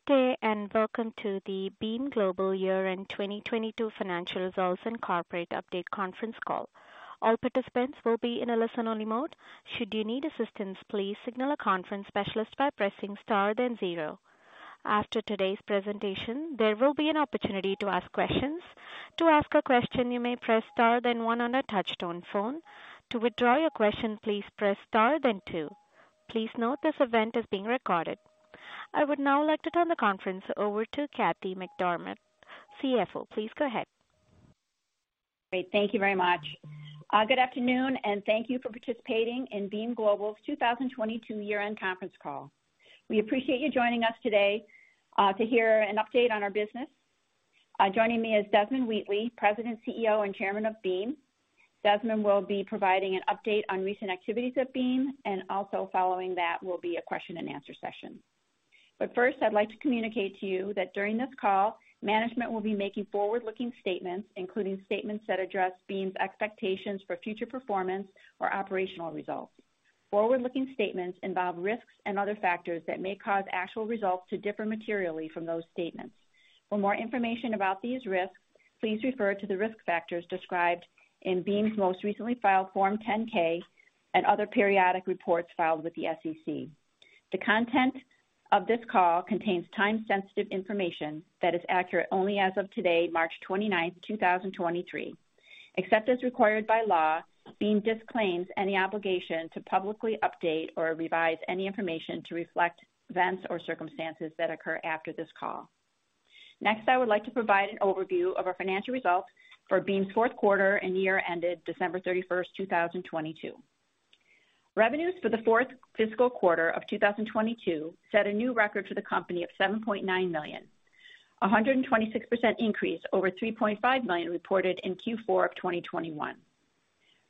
Good day, welcome to the Beam Global Year-end 2022 Financial Results and Corporate Update conference call. All participants will be in a listen-only mode. Should you need assistance, please signal a conference specialist by pressing star then zero. After today's presentation, there will be an opportunity to ask questions. To ask a question, you may press star then one on a touch-tone phone. To withdraw your question, please press star then two. Please note this event is being recorded. I would now like to turn the conference over to Kathy McDermott, CFO. Please go ahead. Great. Thank you very much. Good afternoon, and thank you for participating in Beam Global's 2022 year-end conference call. We appreciate you joining us today to hear an update on our business. Joining me is Desmond Wheatley, President, CEO, and Chairman of Beam. Desmond will be providing an update on recent activities at Beam, and also following that will be a question-and-answer session. First, I'd like to communicate to you that during this call, management will be making forward-looking statements, including statements that address Beam's expectations for future performance or operational results. Forward-looking statements involve risks and other factors that may cause actual results to differ materially from those statements. For more information about these risks, please refer to the risk factors described in Beam's most recently filed Form 10-K and other periodic reports filed with the SEC. The content of this call contains time-sensitive information that is accurate only as of today, March 29th, 2023. Except as required by law, Beam disclaims any obligation to publicly update or revise any information to reflect events or circumstances that occur after this call. Next, I would like to provide an overview of our financial results for Beam's Q4 and year ended December 31st, 2022. Revenues for the fourth fiscal quarter of 2022 set a new record for the company of $7.9 million, a 126% increase over $3.5 million reported in Q4 of 2021.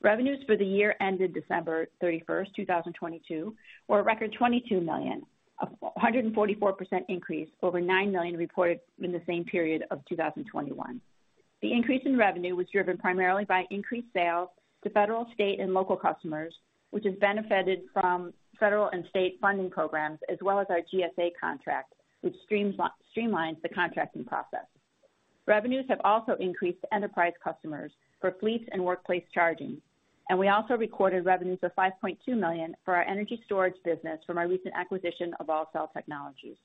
Revenues for the year ended December 31st, 2022 were a record $22 million, a 144% increase over $9 million reported in the same period of 2021. The increase in revenue was driven primarily by increased sales to federal, state, and local customers, which has benefited from federal and state funding programs as well as our GSA contract, which streamlines the contracting process. Revenues have also increased enterprise customers for fleet and workplace charging. We also recorded revenues of $5.2 million for our energy storage business from our recent acquisition of AllCell Technologies.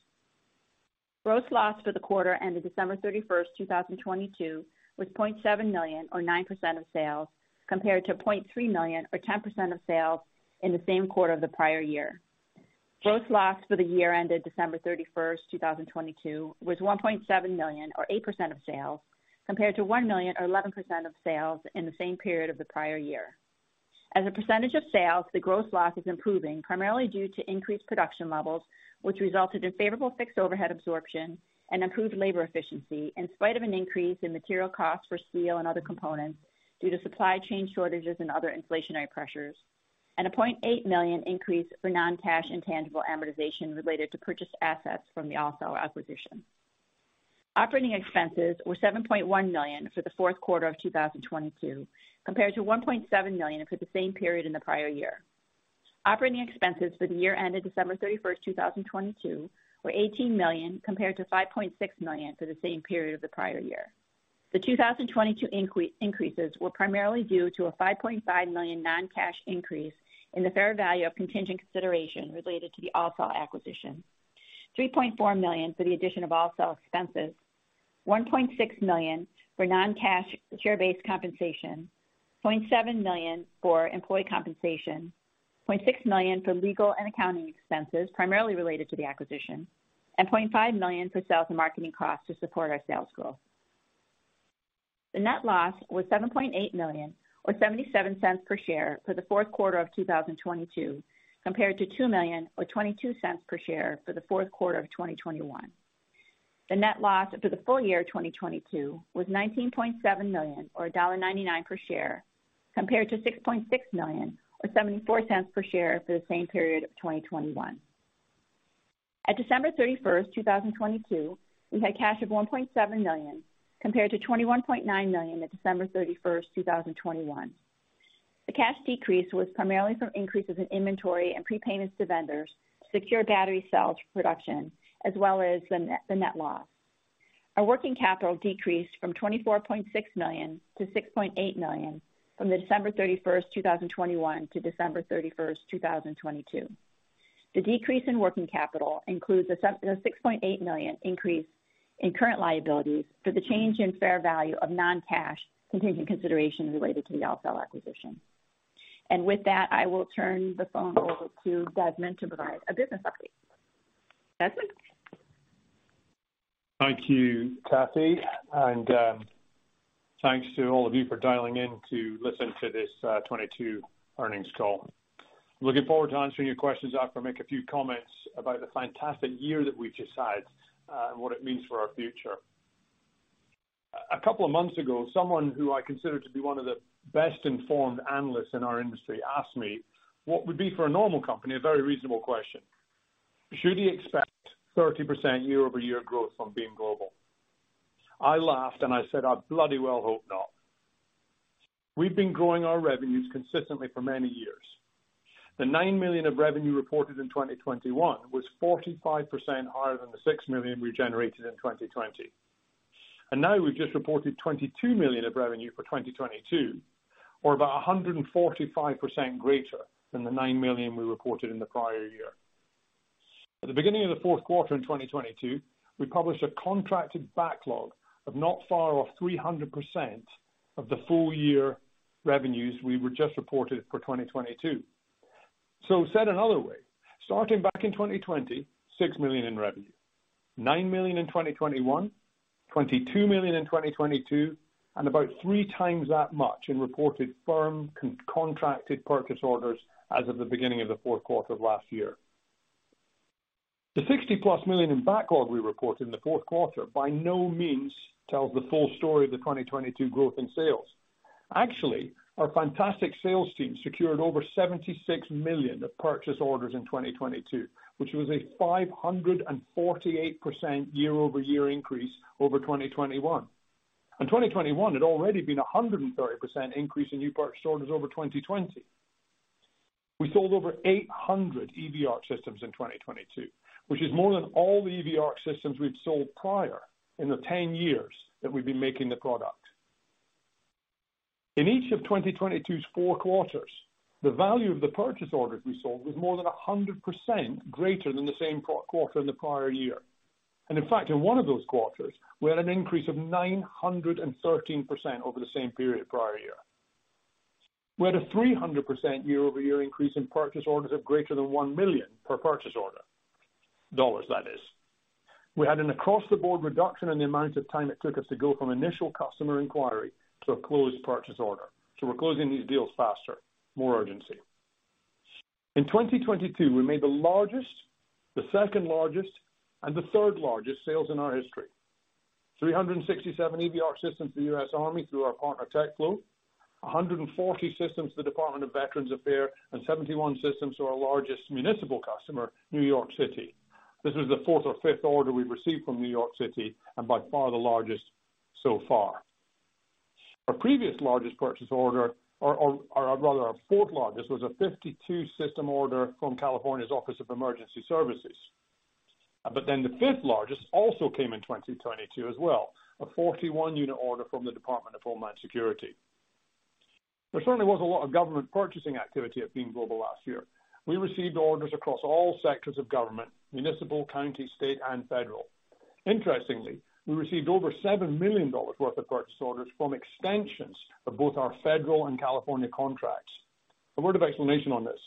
Gross loss for the quarter ended December 31st, 2022, was $0.7 million or 9% of sales, compared to $0.3 million or 10% of sales in the same quarter of the prior year. Gross loss for the year ended December 31st, 2022, was $1.7 million or 8% of sales, compared to $1 million or 11% of sales in the same period of the prior year. As a percentage of sales, the gross loss is improving, primarily due to increased production levels, which resulted in favorable fixed overhead absorption and improved labor efficiency, in spite of an increase in material costs for steel and other components due to supply chain shortages and other inflationary pressures, and a $0.8 million increase for non-cash intangible amortization related to purchased assets from the AllCell acquisition. Operating expenses were $7.1 million for the Q4 of 2022, compared to $1.7 million for the same period in the prior year. Operating expenses for the year ended December 31st, 2022 were $18 million compared to $5.6 million for the same period of the prior year. The 2022 increases were primarily due to a $5.5 million non-cash increase in the fair value of contingent consideration related to the AllCell acquisition, $3.4 million for the addition of AllCell expenses, $1.6 million for non-cash share-based compensation, $0.7 million for employee compensation, $0.6 million for legal and accounting expenses primarily related to the acquisition, and $0.5 million for sales and marketing costs to support our sales growth. The net loss was $7.8 million or $0.77 per share for the Q4 of 2022, compared to $2 million or $0.22 per share for the Q4 of 2021. The net loss for the full year 2022 was $19.7 million or $1.99 million per share, compared to $6.6 million or $0.74 million per share for the same period of 2021. At December 31st, 2022, we had cash of $1.7 million compared to $21.9 million at December 31st, 2021. The cash decrease was primarily from increases in inventory and prepayments to vendors, secure battery cells production, as well as the net loss. Our working capital decreased from $24.6 million-$6.8 million from the December 31st, 2021 to December 31st, 2022. The decrease in working capital includes a $6.8 million increase in current liabilities for the change in fair value of non-cash contingent consideration related to the AllCell acquisition. With that, I will turn the phone over to Desmond to provide a business update. Desmond? Thank you, Kathy. Thanks to all of you for dialing in to listen to this 2022 earnings call. I'm looking forward to answering your questions after I make a few comments about the fantastic year that we've just had, and what it means for our future. A couple of months ago, someone who I consider to be one of the best informed analysts in our industry asked me what would be for a normal company a very reasonable question. Should you expect 30% year-over-year growth from Beam Global? I laughed and I said, "I bloody well hope not. We've been growing our revenues consistently for many years. The $9 million of revenue reported in 2021 was 45% higher than the $6 million we generated in 2020. Now we've just reported $22 million of revenue for 2022, or about 145% greater than the $9 million we reported in the prior year. At the beginning of the Q4 in 2022, we published a contracted backlog of not far off 300% of the full year revenues we were just reported for 2022. Said another way, starting back in 2020, $6 million in revenue, $9 million in 2021, $22 million in 2022, and about 3 times that much in reported firm contracted purchase orders as of the beginning of the Q4 of last year. The $60+ million in backlog we reported in the Q4 by no means tells the full story of the 2022 growth in sales. Actually, our fantastic sales team secured over $76 million of purchase orders in 2022, which was a 548% year-over-year increase over 2021. 2021 had already been a 130% increase in new purchase orders over 2020. We sold over 800 EV ARC systems in 2022, which is more than all the EV ARC systems we've sold prior in the 10 years that we've been making the product. In each of 2022's four quarters, the value of the purchase orders we sold was more than a 100% greater than the same quarter in the prior year. In fact, in one of those quarters, we had an increase of 913% over the same period prior year. We had a 300% year-over-year increase in purchase orders of greater than $1 million per purchase order, dollars that is. We had an across-the-board reduction in the amount of time it took us to go from initial customer inquiry to a closed purchase order. We're closing these deals faster, more urgency. In 2022, we made the largest, the second-largest, and the third-largest sales in our history. 367 EV ARC systems to the U.S. Army through our partner TechFlow, 140 systems to the Department of Veterans Affairs, and 71 systems to our largest municipal customer, New York City. This is the fourth or fifth order we've received from New York City and by far the largest so far. Our previous largest purchase order or rather our fourth largest, was a 52 system order from California's Office of Emergency Services. The fifth largest also came in 2022 as well, a 41 unit order from the Department of Homeland Security. There certainly was a lot of government purchasing activity at Beam Global last year. We received orders across all sectors of government, municipal, county, state, and federal. Interestingly, we received over $7 million worth of purchase orders from extensions of both our federal and California contracts. A word of explanation on this.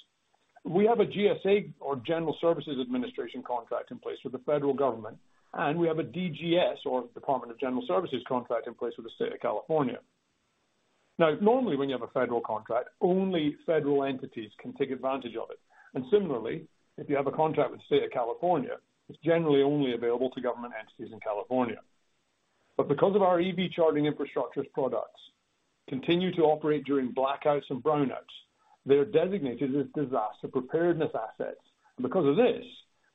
We have a GSA or General Services Administration contract in place with the federal government. We have a DGS or Department of General Services contract in place with the state of California. Now, normally when you have a federal contract, only federal entities can take advantage of it. Similarly, if you have a contract with the state of California, it's generally only available to government entities in California. Because of our EV charging infrastructure products continue to operate during blackouts and brownouts, they're designated as disaster preparedness assets. Because of this,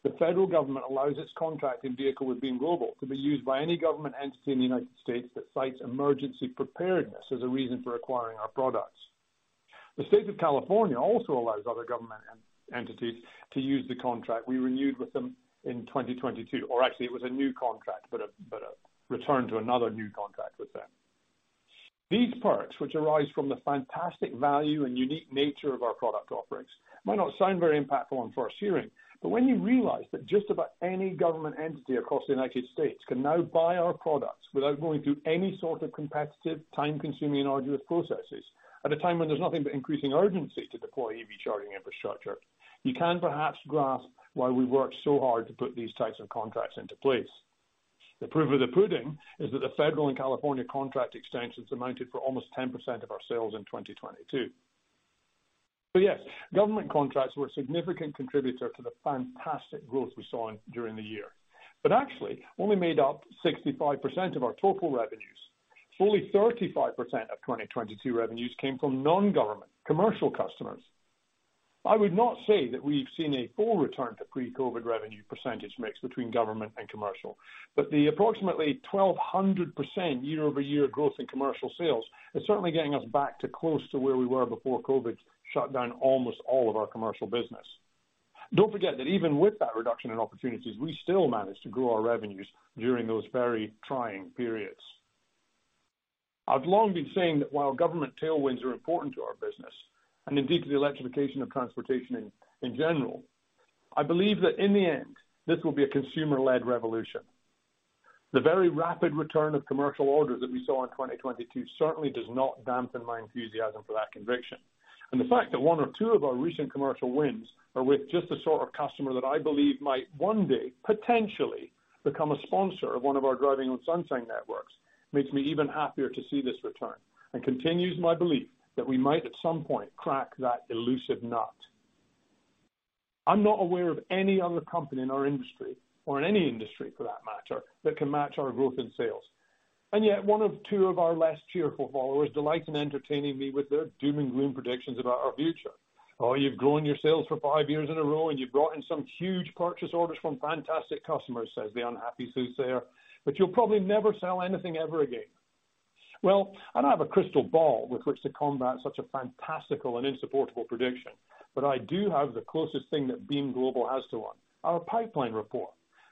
the federal government allows its contract in vehicle with Beam Global to be used by any government entity in the United States that cites emergency preparedness as a reason for acquiring our products. The state of California also allows other government entities to use the contract we renewed with them in 2022, or actually it was a new contract, but a return to another new contract with them. These perks, which arise from the fantastic value and unique nature of our product offerings, might not sound very impactful on first hearing, but when you realize that just about any government entity across the United States can now buy our products without going through any sort of competitive, time-consuming, and arduous processes at a time when there's nothing but increasing urgency to deploy EV charging infrastructure, you can perhaps grasp why we work so hard to put these types of contracts into place. The proof of the pudding is that the federal and California contract extensions amounted for almost 10% of our sales in 2022. Yes, government contracts were a significant contributor to the fantastic growth we saw during the year. Actually only made up 65% of our total revenues. Fully 35% of 2022 revenues came from non-government commercial customers. I would not say that we've seen a full return to pre-COVID revenue percentage mix between government and commercial, but the approximately 1,200% year-over-year growth in commercial sales is certainly getting us back to close to where we were before COVID shut down almost all of our commercial business. Don't forget that even with that reduction in opportunities, we still managed to grow our revenues during those very trying periods. I've long been saying that while government tailwinds are important to our business, and indeed to the electrification of transportation in general, I believe that in the end, this will be a consumer-led revolution. The very rapid return of commercial orders that we saw in 2022 certainly does not dampen my enthusiasm for that conviction. The fact that one or two of our recent commercial wins are with just the sort of customer that I believe might one day potentially become a sponsor of one of our Driving on Sunshine networks makes me even happier to see this return and continues my belief that we might at some point crack that elusive nut. I'm not aware of any other company in our industry, or in any industry for that matter, that can match our growth in sales. Yet two of our less cheerful followers delight in entertaining me with their doom and gloom predictions about our future. You've grown your sales for five-years in a row, and you've brought in some huge purchase orders from fantastic customers, says the unhappy soothsayer, you'll probably never sell anything ever again. Well, I don't have a crystal ball with which to combat such a fantastical and insupportable prediction, but I do have the closest thing that Beam Global has to one, our pipeline report,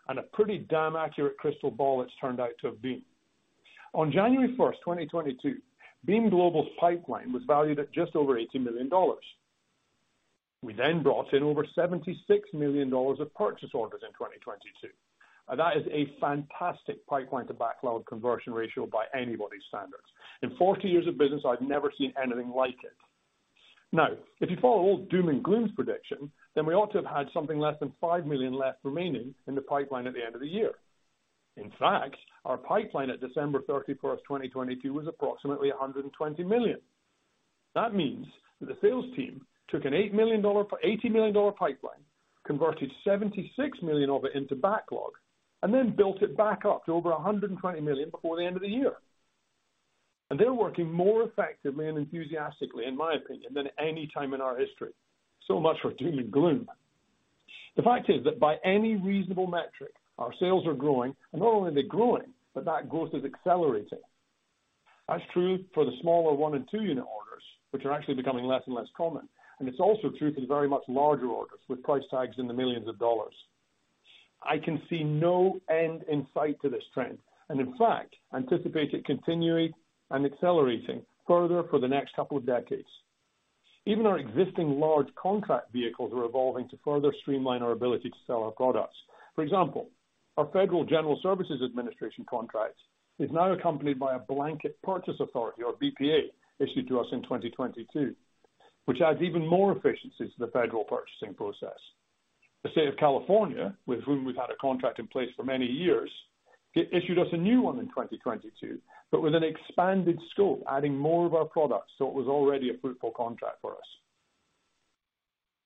a pretty damn accurate crystal ball it's turned out to have been. On January 1st, 2022, Beam Global's pipeline was valued at just over $80 million. We brought in over $76 million of purchase orders in 2022. That is a fantastic pipeline to backlog conversion ratio by anybody's standards. In 40-years of business, I've never seen anything like it. If you follow old doom and gloom's prediction, then we ought to have had something less than $5 million left remaining in the pipeline at the end of the year. In fact, our pipeline at December 31st, 2022 was approximately $120 million. That means that the sales team took an $80 million pipeline, converted $76 million of it into backlog, and then built it back up to over $120 million before the end of the year. They're working more effectively and enthusiastically, in my opinion, than at any time in our history. Much for doom and gloom. The fact is that by any reasonable metric, our sales are growing, and not only are they growing, but that growth is accelerating. That's true for the smaller one and two unit orders, which are actually becoming less and less common. It's also true for the very much larger orders with price tags in the millions of dollars. I can see no end in sight to this trend, and in fact, anticipate it continuing and accelerating further for the next couple of decades. Even our existing large contract vehicles are evolving to further streamline our ability to sell our products. For example, our federal General Services Administration contract is now accompanied by a Blanket Purchase Authority or BPA issued to us in 2022, which adds even more efficiency to the federal purchasing process. The state of California, with whom we've had a contract in place for many years, issued us a new one in 2022, but with an expanded scope, adding more of our products, so it was already a fruitful contract for us.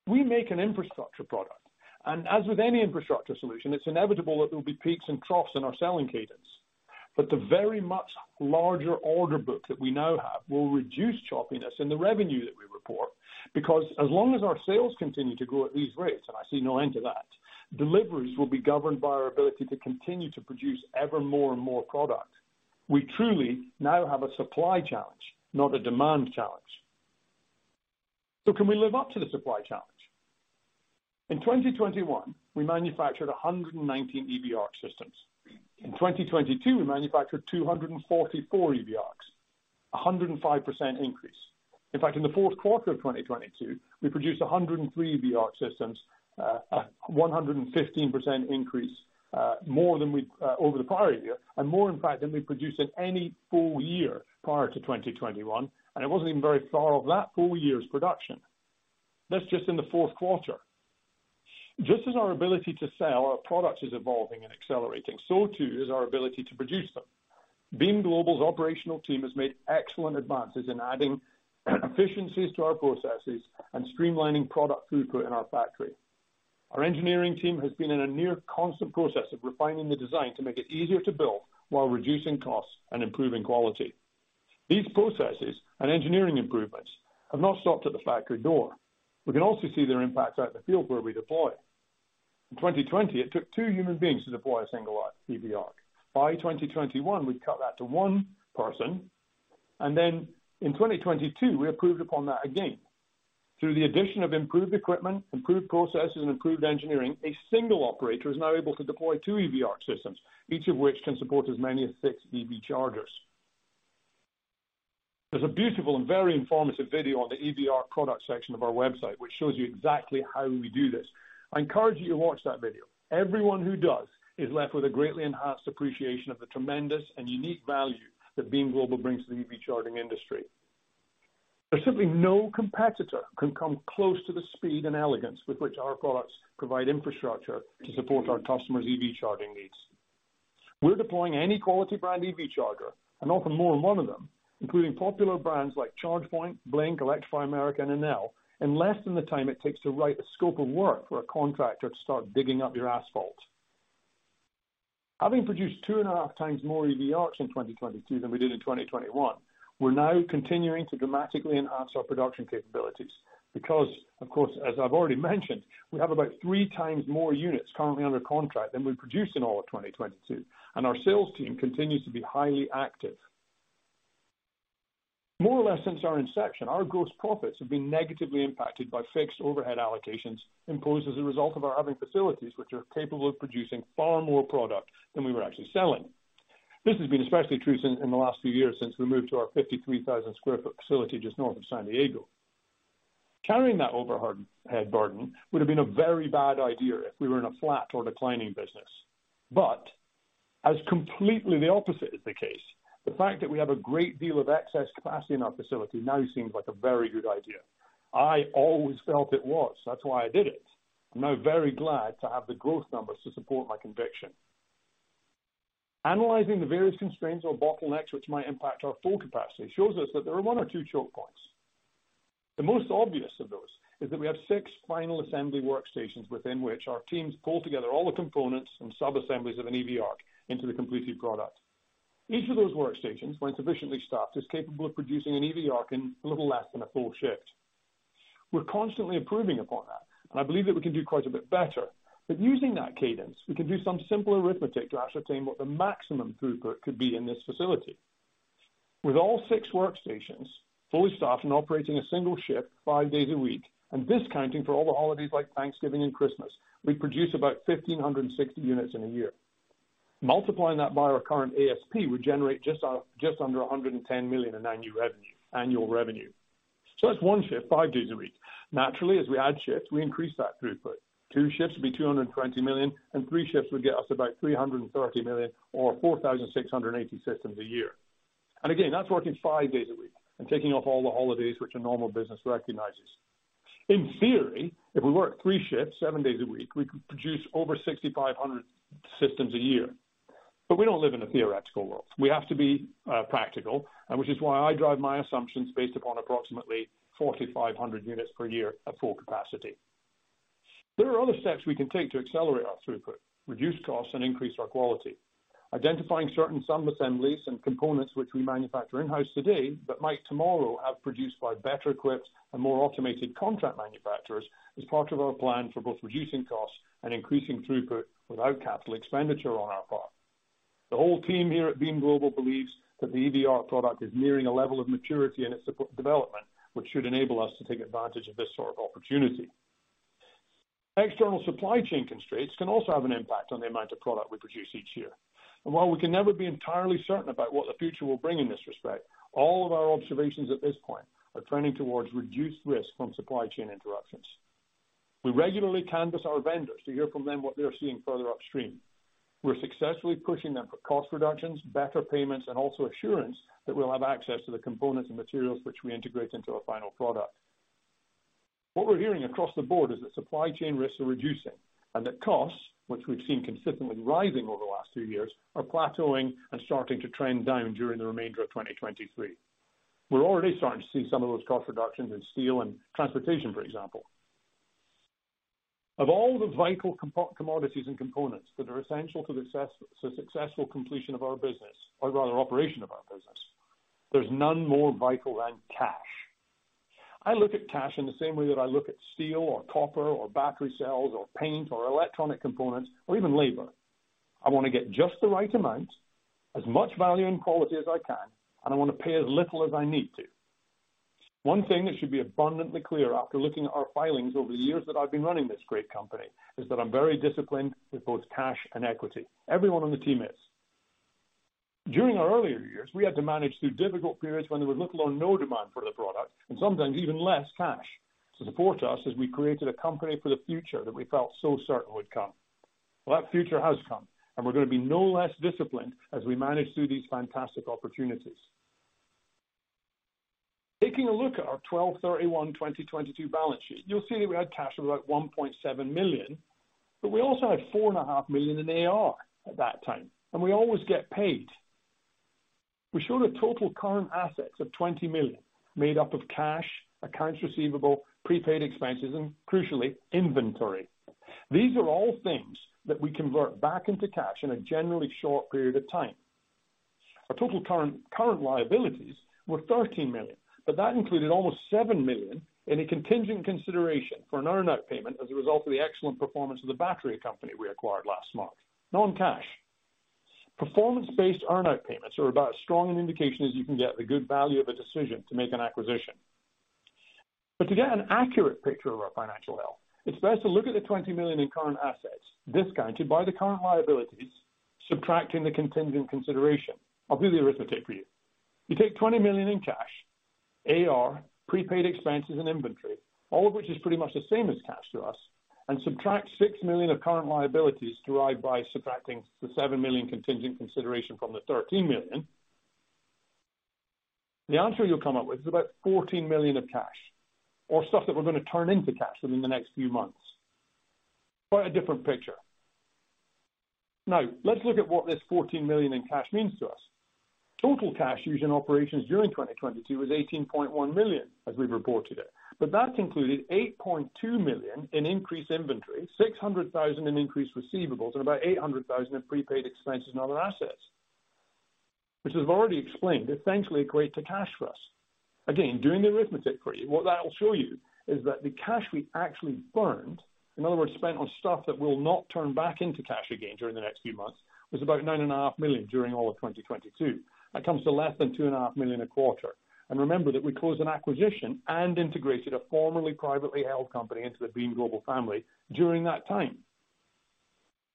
We make an infrastructure product, and as with any infrastructure solution, it's inevitable that there'll be peaks and troughs in our selling cadence. The very much larger order book that we now have will reduce choppiness in the revenue that we report. As long as our sales continue to grow at these rates, and I see no end to that, deliveries will be governed by our ability to continue to produce ever more and more product. We truly now have a supply challenge, not a demand challenge. Can we live up to the supply challenge? In 2021, we manufactured 119 EV ARC systems. In 2022, we manufactured 244 EV ARCs, a 105% increase. In fact, in the Q4 of 2022, we produced 103 EV ARC systems, a 115% increase, more than over the prior year, and more, in fact, than we produced in any full year prior to 2021, and it wasn't even very far off that full year's production. That's just in the Q4. Just as our ability to sell our products is evolving and accelerating, so too is our ability to produce them. Beam Global's operational team has made excellent advances in adding efficiencies to our processes and streamlining product throughput in our factory. Our engineering team has been in a near constant process of refining the design to make it easier to build while reducing costs and improving quality. These processes and engineering improvements have not stopped at the factory door. We can also see their impacts out in the field where we deploy. In 2020, it took two human beings to deploy 1 EV ARC. By 2021, we'd cut that to one person. In 2022, we improved upon that again. Through the addition of improved equipment, improved processes, and improved engineering, 1 operator is now able to deploy 2 EV ARC systems, each of which can support as many as 6 EV chargers. There's a beautiful and very informative video on the EV ARC product section of our website, which shows you exactly how we do this. I encourage you to watch that video. Everyone who does is left with a greatly enhanced appreciation of the tremendous and unique value that Beam Global brings to the EV charging industry. There's simply no competitor can come close to the speed and elegance with which our products provide infrastructure to support our customers' EV charging needs. We're deploying any quality brand EV charger, and often more than one of them, including popular brands like ChargePoint, Blink, Electrify America, and Enel, in less than the time it takes to write a scope of work for a contractor to start digging up your asphalt. Having produced 2.5 times more EV ARC in 2022 than we did in 2021, we're now continuing to dramatically enhance our production capabilities because, of course, as I've already mentioned, we have about three times more units currently under contract than we produced in all of 2022. Our sales team continues to be highly active. More or less since our inception, our gross profits have been negatively impacted by fixed overhead allocations imposed as a result of our having facilities which are capable of producing far more product than we were actually selling. This has been especially true in the last few years since we moved to our 53,000 sq ft facility just north of San Diego. Carrying that overhead burden would have been a very bad idea if we were in a flat or declining business. As completely the opposite is the case, the fact that we have a great deal of excess capacity in our facility now seems like a very good idea. I always felt it was. That's why I did it. I'm now very glad to have the growth numbers to support my conviction. Analyzing the various constraints or bottlenecks which might impact our full capacity shows us that there are one or two choke points. The most obvious of those is that we have six final assembly workstations within which our teams pull together all the components and sub-assemblies of an EV ARC into the completed product. Each of those workstations, when sufficiently staffed, is capable of producing an EV ARC in a little less than a full shift. We're constantly improving upon that, and I believe that we can do quite a bit better. Using that cadence, we can do some simple arithmetic to ascertain what the maximum throughput could be in this facility. With all six workstations fully staffed and operating a single shift 5 days a week, and discounting for all the holidays like Thanksgiving and Christmas, we produce about 1,560 units in a year. Multiplying that by our current ASP would generate just under $110 million in annual revenue. That's one shift, five days a week. Naturally, as we add shifts, we increase that throughput. two shifts would be $220 million, and three shifts would get us about $330 million or 4,680 systems a year. Again, that's working five days a week and taking off all the holidays which a normal business recognizes. In theory, if we work three shifts, seven days a week, we could produce over 6,500 systems a year. We don't live in a theoretical world. We have to be practical, and which is why I drive my assumptions based upon approximately 4,500 units per year at full capacity. There are other steps we can take to accelerate our throughput, reduce costs, and increase our quality. Identifying certain sub-assemblies and components which we manufacture in-house today, but might tomorrow have produced by better equipped and more automated contract manufacturers, is part of our plan for both reducing costs and increasing throughput without capital expenditure on our part. The whole team here at Beam Global believes that the EVR product is nearing a level of maturity in its support development, which should enable us to take advantage of this sort of opportunity. External supply chain constraints can also have an impact on the amount of product we produce each year. While we can never be entirely certain about what the future will bring in this respect, all of our observations at this point are trending towards reduced risk from supply chain interruptions. We regularly canvas our vendors to hear from them what they are seeing further upstream. We're successfully pushing them for cost reductions, better payments, and also assurance that we'll have access to the components and materials which we integrate into our final product. What we're hearing across the board is that supply chain risks are reducing and that costs, which we've seen consistently rising over the last two years, are plateauing and starting to trend down during the remainder of 2023. We're already starting to see some of those cost reductions in steel and transportation, for example. Of all the vital commodities and components that are essential to the successful completion of our business or rather operation of our business, there's none more vital than cash. I look at cash in the same way that I look at steel or copper or battery cells or paint or electronic components or even labor. I wanna get just the right amount, as much value and quality as I can, and I wanna pay as little as I need to. One thing that should be abundantly clear after looking at our filings over the years that I've been running this great company is that I'm very disciplined with both cash and equity. Everyone on the team is. During our earlier years, we had to manage through difficult periods when there was little or no demand for the product, sometimes even less cash to support us as we created a company for the future that we felt so certain would come. That future has come, we're going to be no less disciplined as we manage through these fantastic opportunities. Taking a look at our 12/31/2022 balance sheet, you'll see that we had cash of about $1.7 million, we also had $4.5 million in AR at that time, we always get paid. We showed a total current assets of $20 million made up of cash, accounts receivable, prepaid expenses, crucially, inventory. These are all things that we convert back into cash in a generally short period of time. Our total current liabilities were $13 million. That included almost $7 million in a contingent consideration for an earn-out payment as a result of the excellent performance of the battery company we acquired last March. Known cash. Performance-based earn-out payments are about as strong an indication as you can get the good value of a decision to make an acquisition. To get an accurate picture of our financial health, it's best to look at the $20 million in current assets discounted by the current liabilities, subtracting the contingent consideration. I'll do the arithmetic for you. You take $20 million in cash, AR, prepaid expenses, and inventory, all of which is pretty much the same as cash to us, and subtract $6 million of current liabilities derived by subtracting the $7 million contingent consideration from the $13 million. The answer you'll come up with is about $14 million of cash or stuff that we're gonna turn into cash within the next few months. Quite a different picture. Now, let's look at what this $14 million in cash means to us. Total cash used in operations during 2022 was $18.1 million, as we've reported it, but that included $8.2 million in increased inventory, $600,000 in increased receivables, and about $800,000 in prepaid expenses and other assets, which as I've already explained, essentially equate to cash for us. Again, doing the arithmetic for you, what that will show you is that the cash we actually burned, in other words, spent on stuff that will not turn back into cash again during the next few months, was about $9.5 million during all of 2022. That comes to less than two and a half million a quarter. Remember that we closed an acquisition and integrated a formerly privately held company into the Beam Global family during that time.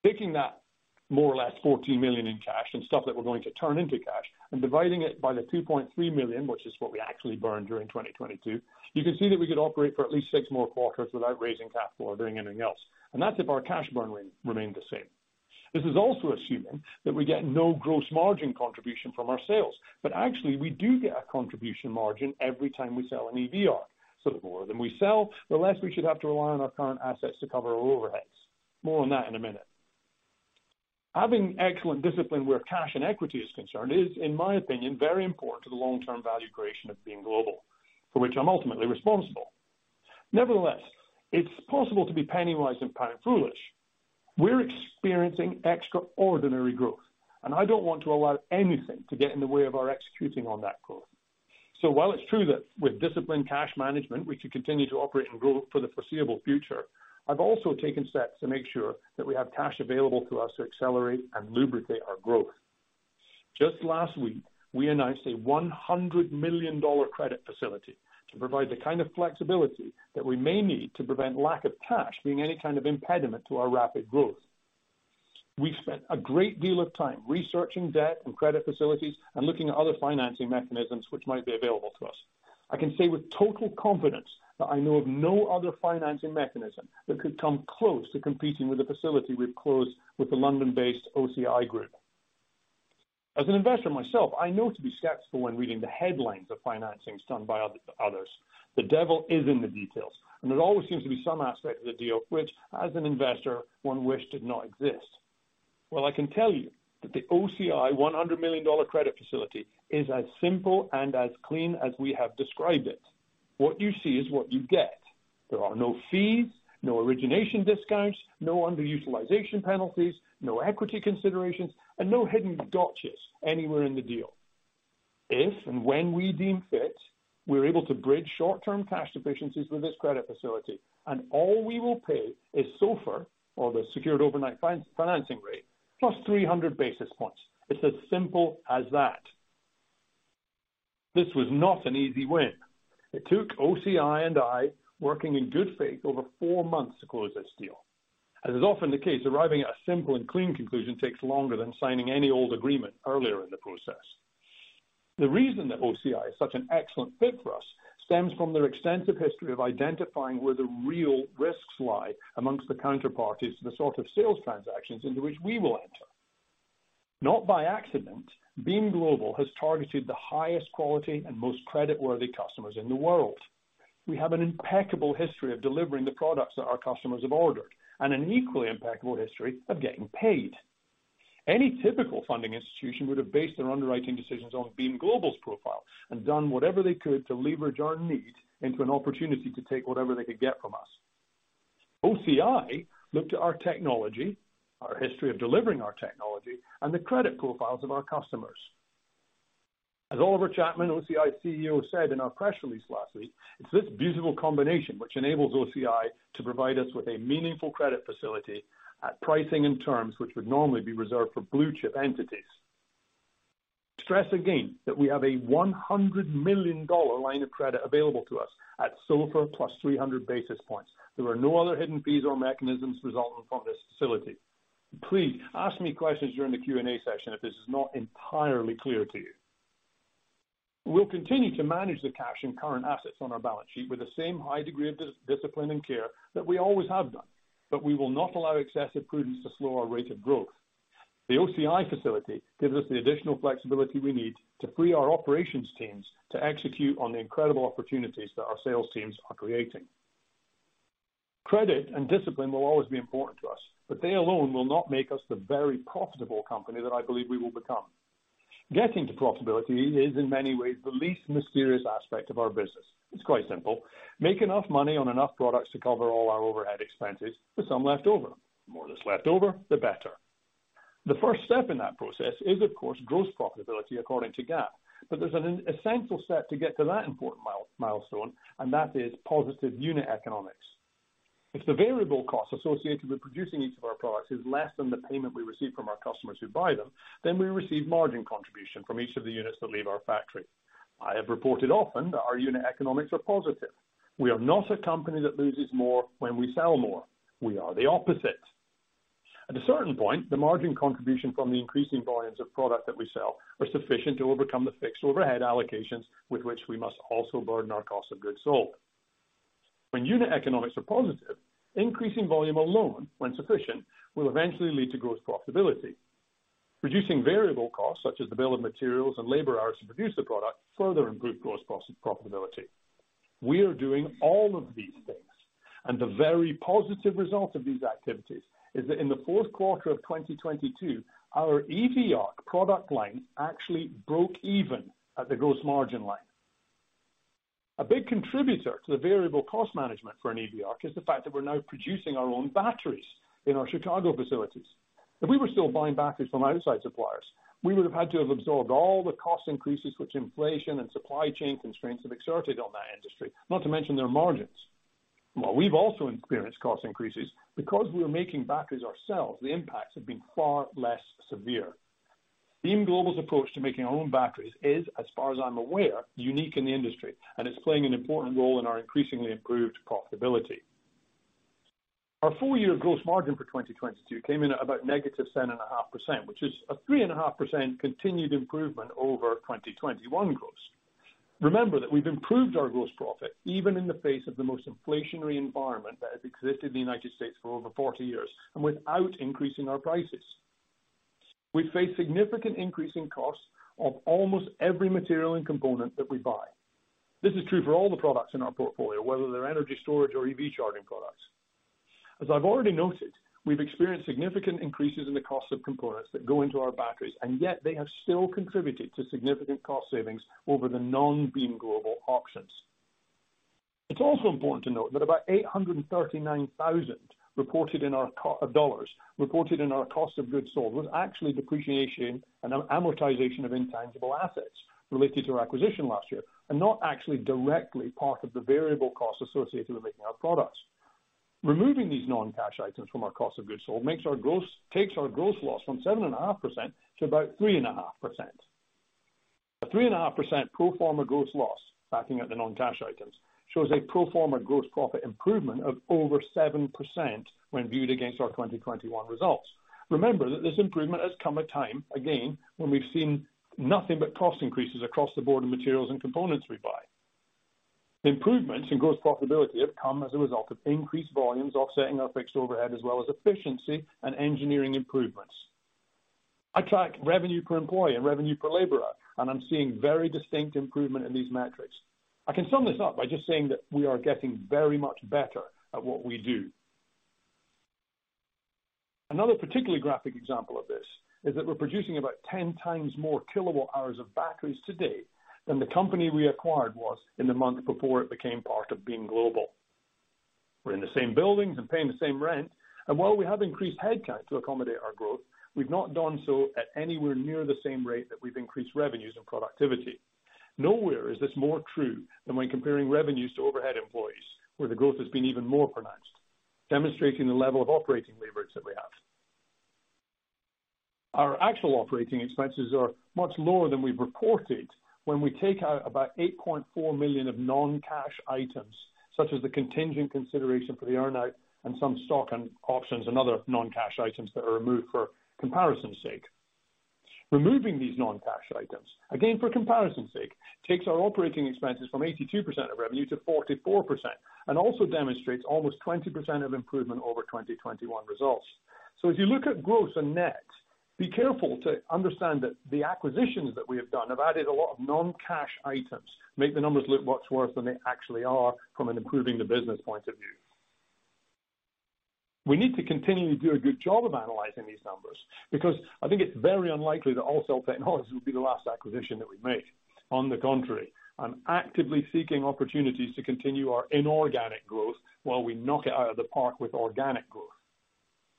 Taking that more or less $14 million in cash and stuff that we're going to turn into cash and dividing it by the $2.3 million, which is what we actually burned during 2022, you can see that we could operate for at least six more quarters without raising capital or doing anything else. That's if our cash burn remained the same. This is also assuming that we get no gross margin contribution from our sales. Actually, we do get a contribution margin every time we sell an EV ARC. The more of them we sell, the less we should have to rely on our current assets to cover our overheads. More on that in a minute. Having excellent discipline where cash and equity is concerned is, in my opinion, very important to the long-term value creation of Beam Global, for which I'm ultimately responsible. Nevertheless, it's possible to be penny wise and pound foolish. We're experiencing extraordinary growth, and I don't want to allow anything to get in the way of our executing on that growth. While it's true that with disciplined cash management, we should continue to operate and grow for the foreseeable future, I've also taken steps to make sure that we have cash available to us to accelerate and lubricate our growth. Just last week, we announced a $100 million credit facility to provide the kind of flexibility that we may need to prevent lack of cash being any kind of impediment to our rapid growth. We've spent a great deal of time researching debt and credit facilities and looking at other financing mechanisms which might be available to us. I can say with total confidence that I know of no other financing mechanism that could come close to competing with the facility we've closed with the London-based OCI Group. As an investor myself, I know to be skeptical when reading the headlines of financing done by others. The devil is in the details, and there always seems to be some aspect of the deal which, as an investor, one wished did not exist. Well, I can tell you that the OCI $100 million credit facility is as simple and as clean as we have described it. What you see is what you get. There are no fees, no origination discounts, no underutilization penalties, no equity considerations, and no hidden gotchas anywhere in the deal. If and when we deem fit, we're able to bridge short-term cash deficiencies with this credit facility, and all we will pay is SOFR, or the secured overnight financing rate, plus 300 basis points. It's as simple as that. This was not an easy win. It took OCI and I working in good faith over four months to close this deal. As is often the case, arriving at a simple and clean conclusion takes longer than signing any old agreement earlier in the process. The reason that OCI is such an excellent fit for us stems from their extensive history of identifying where the real risks lie amongst the counterparties to the sort of sales transactions into which we will enter. Not by accident, Beam Global has targeted the highest quality and most creditworthy customers in the world. We have an impeccable history of delivering the products that our customers have ordered and an equally impeccable history of getting paid. Any typical funding institution would have based their underwriting decisions on Beam Global's profile and done whatever they could to leverage our need into an opportunity to take whatever they could get from us. OCI looked at our technology, our history of delivering our technology, and the credit profiles of our customers. As Oliver Chapman, OCI's CEO, said in our press release last week, "It's this beautiful combination which enables OCI to provide us with a meaningful credit facility at pricing and terms which would normally be reserved for blue chip entities." Stress again, that we have a $100 million line of credit available to us at SOFR + 300 basis points. There are no other hidden fees or mechanisms resulting from this facility. Please ask me questions during the Q&A session if this is not entirely clear to you. We'll continue to manage the cash and current assets on our balance sheet with the same high degree of discipline and care that we always have done, we will not allow excessive prudence to slow our rate of growth. The OCI facility gives us the additional flexibility we need to free our operations teams to execute on the incredible opportunities that our sales teams are creating. Credit and discipline will always be important to us, but they alone will not make us the very profitable company that I believe we will become. Getting to profitability is in many ways the least mysterious aspect of our business. It's quite simple. Make enough money on enough products to cover all our overhead expenses with some left over. More that's left over, the better. The first step in that process is, of course, gross profitability according to GAAP. There's an essential step to get to that important milestone, and that is positive unit economics. If the variable cost associated with producing each of our products is less than the payment we receive from our customers who buy them, then we receive margin contribution from each of the units that leave our factory. I have reported often that our unit economics are positive. We are not a company that loses more when we sell more. We are the opposite. At a certain point, the margin contribution from the increasing volumes of product that we sell are sufficient to overcome the fixed overhead allocations with which we must also burden our cost of goods sold. When unit economics are positive, increasing volume alone, when sufficient, will eventually lead to gross profitability. Reducing variable costs such as the bill of materials and labor hours to produce the product further improve gross profitability. We are doing all of these things, and the very positive result of these activities is that in the Q4 of 2022, our EV ARC product line actually broke even at the gross margin line. A big contributor to the variable cost management for an EV ARC is the fact that we're now producing our own batteries in our Chicago facilities. If we were still buying batteries from outside suppliers, we would have had to have absorbed all the cost increases which inflation and supply chain constraints have exerted on that industry, not to mention their margins. While we've also experienced cost increases, because we are making batteries ourselves, the impacts have been far less severe. Beam Global's approach to making our own batteries is, as far as I'm aware, unique in the industry, and it's playing an important role in our increasingly improved profitability. Our full year gross margin for 2022 came in at about -10.5%, which is a 3.5% continued improvement over 2021 gross. Remember that we've improved our gross profit even in the face of the most inflationary environment that has existed in the United States for over 40 years and without increasing our prices. We face significant increase in costs of almost every material and component that we buy. This is true for all the products in our portfolio, whether they're energy storage or EV charging products. I've already noted, we've experienced significant increases in the cost of components that go into our batteries, and yet they have still contributed to significant cost savings over the non-Beam Global auctions. It's also important to note that about $839,000 reported in our cost of goods sold was actually depreciation and amortization of intangible assets related to our acquisition last year and not actually directly part of the variable costs associated with making our products. Removing these non-cash items from our cost of goods sold takes our gross loss from 7.5% to about 3.5%. A 3.5% pro forma gross loss, backing out the non-cash items, shows a pro forma gross profit improvement of over 7% when viewed against our 2021 results. Remember that this improvement has come at time, again, when we've seen nothing but cost increases across the board of materials and components we buy. Improvements in gross profitability have come as a result of increased volumes offsetting our fixed overhead as well as efficiency and engineering improvements. I track revenue per employee and revenue per laborer. I'm seeing very distinct improvement in these metrics. I can sum this up by just saying that we are getting very much better at what we do. Another particularly graphic example of this is that we're producing about 10 times more kWh of batteries today than the company we acquired was in the month before it became part of Beam Global. We're in the same buildings and paying the same rent. While we have increased headcount to accommodate our growth, we've not done so at anywhere near the same rate that we've increased revenues and productivity. Nowhere is this more true than when comparing revenues to overhead employees, where the growth has been even more pronounced, demonstrating the level of operating leverage that we have. Our actual operating expenses are much lower than we've reported when we take out about $8.4 million of non-cash items, such as the contingent consideration for the earn-out and some stock and options and other non-cash items that are removed for comparison's sake. Removing these non-cash items, again, for comparison's sake, takes our operating expenses from 82% of revenue to 44% and also demonstrates almost 20% of improvement over 2021 results. If you look at gross and net, be careful to understand that the acquisitions that we have done have added a lot of non-cash items, make the numbers look much worse than they actually are from an improving the business point of view. We need to continue to do a good job of analyzing these numbers, because I think it's very unlikely that AllCell Technologies will be the last acquisition that we make. On the contrary, I'm actively seeking opportunities to continue our inorganic growth while we knock it out of the park with organic growth.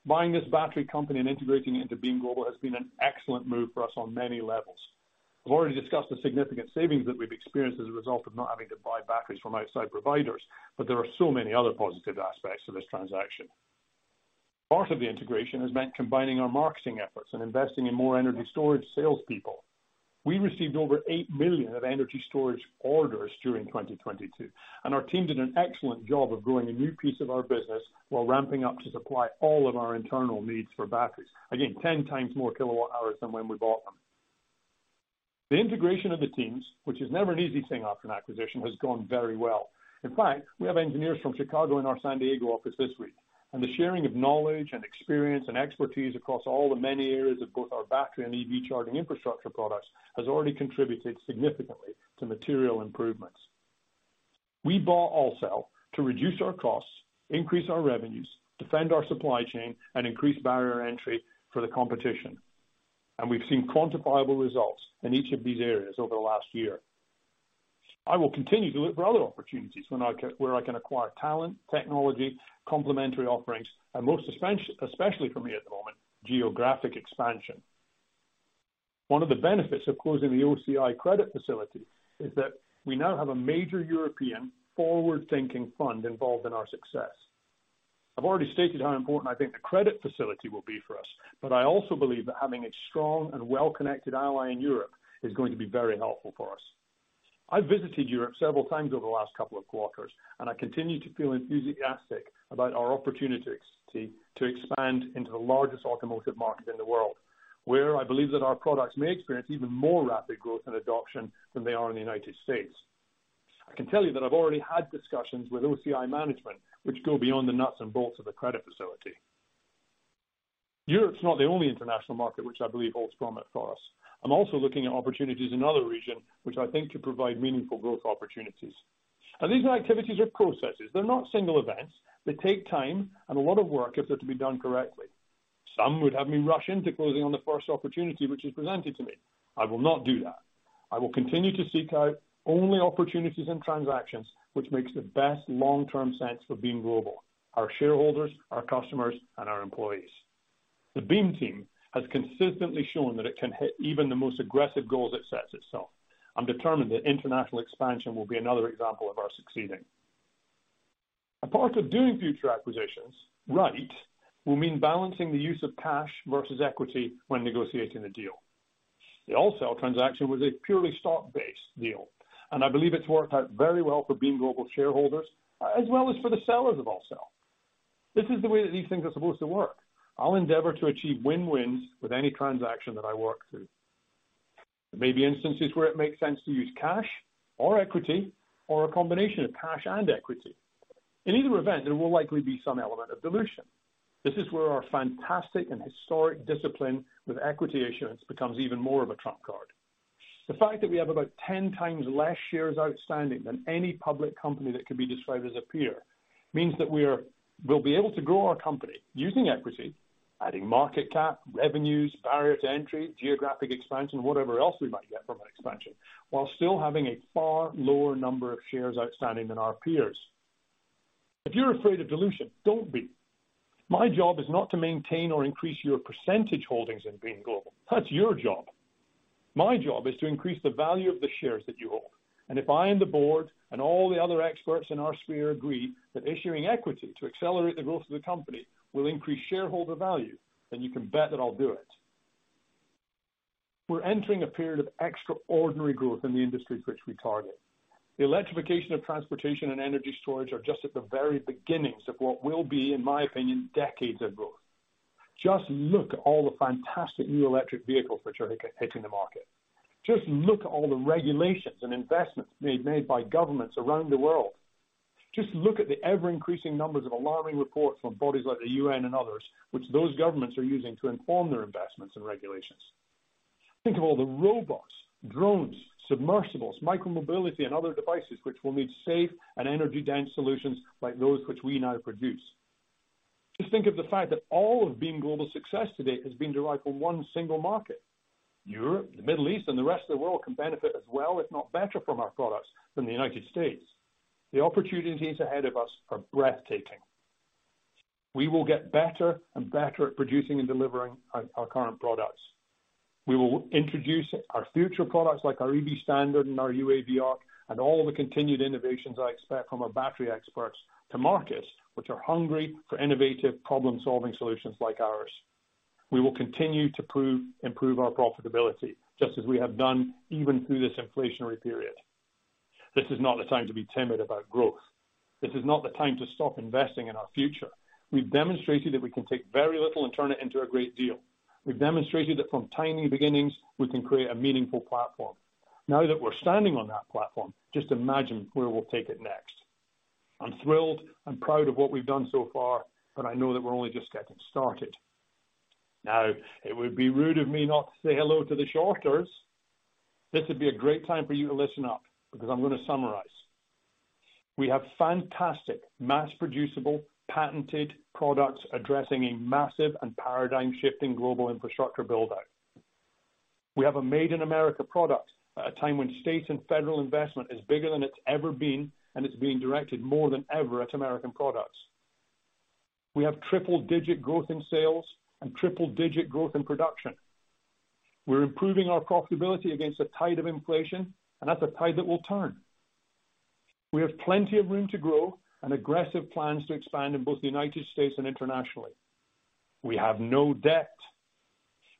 Buying this battery company and integrating it into Beam Global has been an excellent move for us on many levels. I've already discussed the significant savings that we've experienced as a result of not having to buy batteries from outside providers, but there are so many other positive aspects to this transaction. Part of the integration has meant combining our marketing efforts and investing in more energy storage salespeople. We received over $8 million of energy storage orders during 2022, and our team did an excellent job of growing a new piece of our business while ramping up to supply all of our internal needs for batteries. Again, 10 times more kWh than when we bought them. The integration of the teams, which is never an easy thing after an acquisition, has gone very well. In fact, we have engineers from Chicago in our San Diego office this week, and the sharing of knowledge and experience and expertise across all the many areas of both our battery and EV charging infrastructure products has already contributed significantly to material improvements. We bought AllCell to reduce our costs, increase our revenues, defend our supply chain, and increase barrier entry for the competition. We've seen quantifiable results in each of these areas over the last year. I will continue to look for other opportunities where I can acquire talent, technology, complementary offerings, and most especially for me at the moment, geographic expansion. One of the benefits of closing the OCI credit facility is that we now have a major European forward-thinking fund involved in our success. I've already stated how important I think the credit facility will be for us. I also believe that having a strong and well-connected ally in Europe is going to be very helpful for us. I visited Europe several times over the last couple of quarters. I continue to feel enthusiastic about our opportunity to expand into the largest automotive market in the world, where I believe that our products may experience even more rapid growth and adoption than they are in the United States. I can tell you that I've already had discussions with OCI management, which go beyond the nuts and bolts of the credit facility. Europe's not the only international market which I believe holds promise for us. I'm also looking at opportunities in other region which I think to provide meaningful growth opportunities. These are activities or processes. They're not single events. They take time and a lot of work if they're to be done correctly. Some would have me rush into closing on the first opportunity which is presented to me. I will not do that. I will continue to seek out only opportunities and transactions which makes the best long-term sense for Beam Global, our shareholders, our customers, and our employees. The Beam team has consistently shown that it can hit even the most aggressive goals it sets itself. I'm determined that international expansion will be another example of our succeeding. A part of doing future acquisitions right will mean balancing the use of cash versus equity when negotiating the deal. The AllCell transaction was a purely stock-based deal, and I believe it's worked out very well for Beam Global shareholders as well as for the sellers of AllCell. This is the way that these things are supposed to work. I'll endeavor to achieve win-wins with any transaction that I work through. There may be instances where it makes sense to use cash or equity or a combination of cash and equity. In either event, there will likely be some element of dilution. This is where our fantastic and historic discipline with equity issuance becomes even more of a trump card. The fact that we have about 10 times less shares outstanding than any public company that could be described as a peer means that we'll be able to grow our company using equity, adding market cap, revenues, barrier to entry, geographic expansion, whatever else we might get from an expansion, while still having a far lower number of shares outstanding than our peers. If you're afraid of dilution, don't be. My job is not to maintain or increase your % holdings in Beam Global. That's your job. My job is to increase the value of the shares that you hold. If I and the board and all the other experts in our sphere agree that issuing equity to accelerate the growth of the company will increase shareholder value, then you can bet that I'll do it. We're entering a period of extraordinary growth in the industries which we target. The electrification of transportation and energy storage are just at the very beginnings of what will be, in my opinion, decades of growth. Just look at all the fantastic new electric vehicles which are hitting the market. Just look at all the regulations and investments being made by governments around the world. Just look at the ever-increasing numbers of alarming reports from bodies like the UN and others, which those governments are using to inform their investments and regulations. Think of all the robots, drones, submersibles, micro-mobility, and other devices which will need safe and energy-dense solutions like those which we now produce. Just think of the fact that all of Beam Global's success today has been derived from one single market. Europe, the Middle East, and the rest of the world can benefit as well, if not better from our products than the United States. The opportunities ahead of us are breathtaking. We will get better and better at producing and delivering our current products. We will introduce our future products, like our EV Standard and our UAV ARC and all the continued innovations I expect from our battery experts to markets which are hungry for innovative problem-solving solutions like ours. We will continue to improve our profitability, just as we have done even through this inflationary period. This is not the time to be timid about growth. This is not the time to stop investing in our future. We've demonstrated that we can take very little and turn it into a great deal. We've demonstrated that from tiny beginnings we can create a meaningful platform. Now that we're standing on that platform, just imagine where we'll take it next. I'm thrilled and proud of what we've done so far, but I know that we're only just getting started. Now, it would be rude of me not to say hello to the shorters. This would be a great time for you to listen up, because I'm gonna summarize. We have fantastic mass-producible patented products addressing a massive and paradigm-shifting global infrastructure build-out. We have a Made in America product at a time when state and federal investment is bigger than it's ever been, and it's being directed more than ever at American products. We have triple-digit growth in sales and triple-digit growth in production. We're improving our profitability against a tide of inflation, and that's a tide that will turn. We have plenty of room to grow and aggressive plans to expand in both the United States and internationally. We have no debt.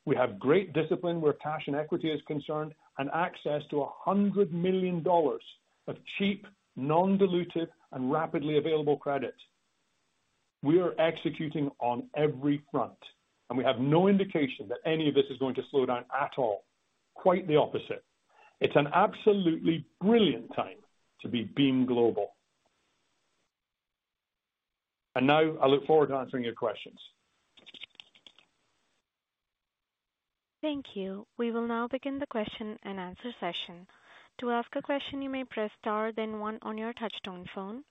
We have great discipline where cash and equity is concerned, and access to $100 million of cheap, non-dilutive, and rapidly available credit. We are executing on every front, and we have no indication that any of this is going to slow down at all. Quite the opposite. It's an absolutely brilliant time to be Beam Global. Now I look forward to answering your questions. Thank you. We will now begin the question-and-answer session. To ask a question, you may press star then one on your touch-tone phone.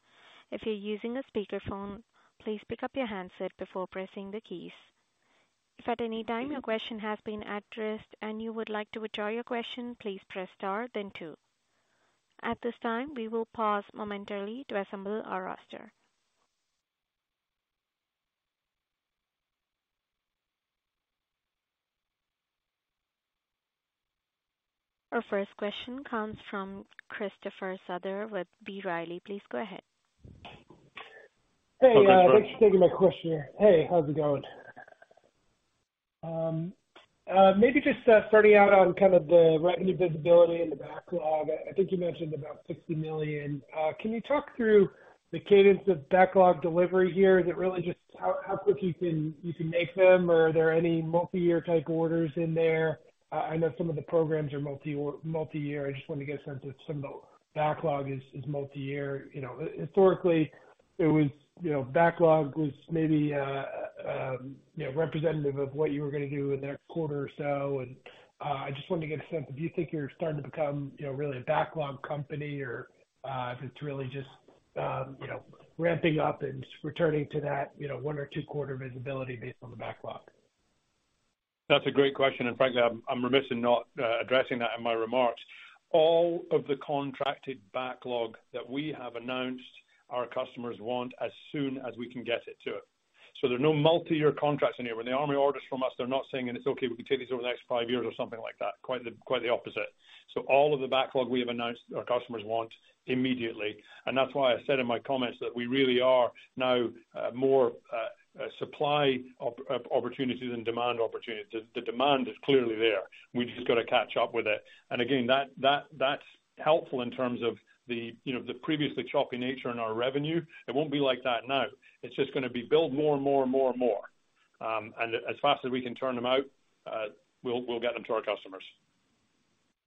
If you're using a speakerphone, please pick up your handset before pressing the keys. If at any time your question has been addressed and you would like to withdraw your question, please press star then two. At this time, we will pause momentarily to assemble our roster. Our first question comes from Christopher Souther with B. Riley. Please go ahead. Go ahead, Christopher. Hey, thanks for taking my question. Hey, how's it going? Maybe just starting out on kind of the revenue visibility in the backlog. I think you mentioned about $60 million. Can you talk through the cadence of backlog delivery here? Is it really just how quick you can make them? Or are there any multi-year type orders in there? I know some of the programs are multi-year. I just want to get a sense if some of the backlog is multi-year. You know, historically, it was, you know, backlog was maybe, you know, representative of what you were gonna do in the next quarter or so. I just wanted to get a sense of, do you think you're starting to become, you know, really a backlog company or, if it's really just, you know, ramping up and returning to that, you know, one or two quarter visibility based on the backlog? That's a great question, and frankly, I'm remiss in not addressing that in my remarks. All of the contracted backlog that we have announced, our customers want as soon as we can get it to it. There are no multi-year contracts in here. When the Army orders from us, they're not saying, "It's okay, we can take these over the next five years," or something like that. Quite the, quite the opposite. All of the backlog we have announced our customers want immediately, and that's why I said in my comments that we really are now more a supply opportunities than demand opportunities. The demand is clearly there. We've just got to catch up with it. Again, that's helpful in terms of the, you know, the previously choppy nature in our revenue. It won't be like that now. It's just gonna be build more and more and more and more. As fast as we can turn them out, we'll get them to our customers.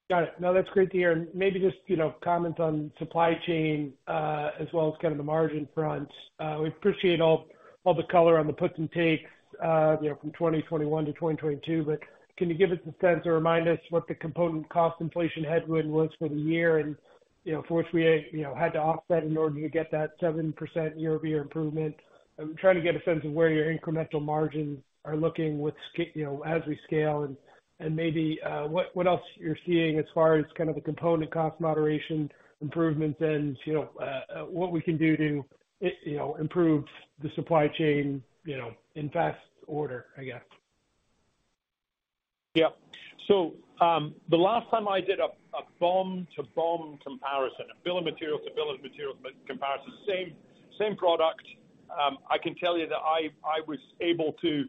Got it. No, that's great to hear. Maybe just, you know, comment on supply chain as well as kind of the margin front. We appreciate all the color on the puts and takes, you know, from 2021 to 2022. Can you give us a sense or remind us what the component cost inflation headwind was for the year and, you know, for which we, you know, had to offset in order to get that 7% year-over-year improvement? I'm trying to get a sense of where your incremental margins are looking with, you know, as we scale and maybe what else you're seeing as far as kind of the component cost moderation improvements and, you know, what we can do to, you know, improve the supply chain, you know, in fast order, I guess. Yeah. The last time I did a BOM to BOM comparison, a bill of materials to bill of materials comparison, same product, I can tell you that I was able to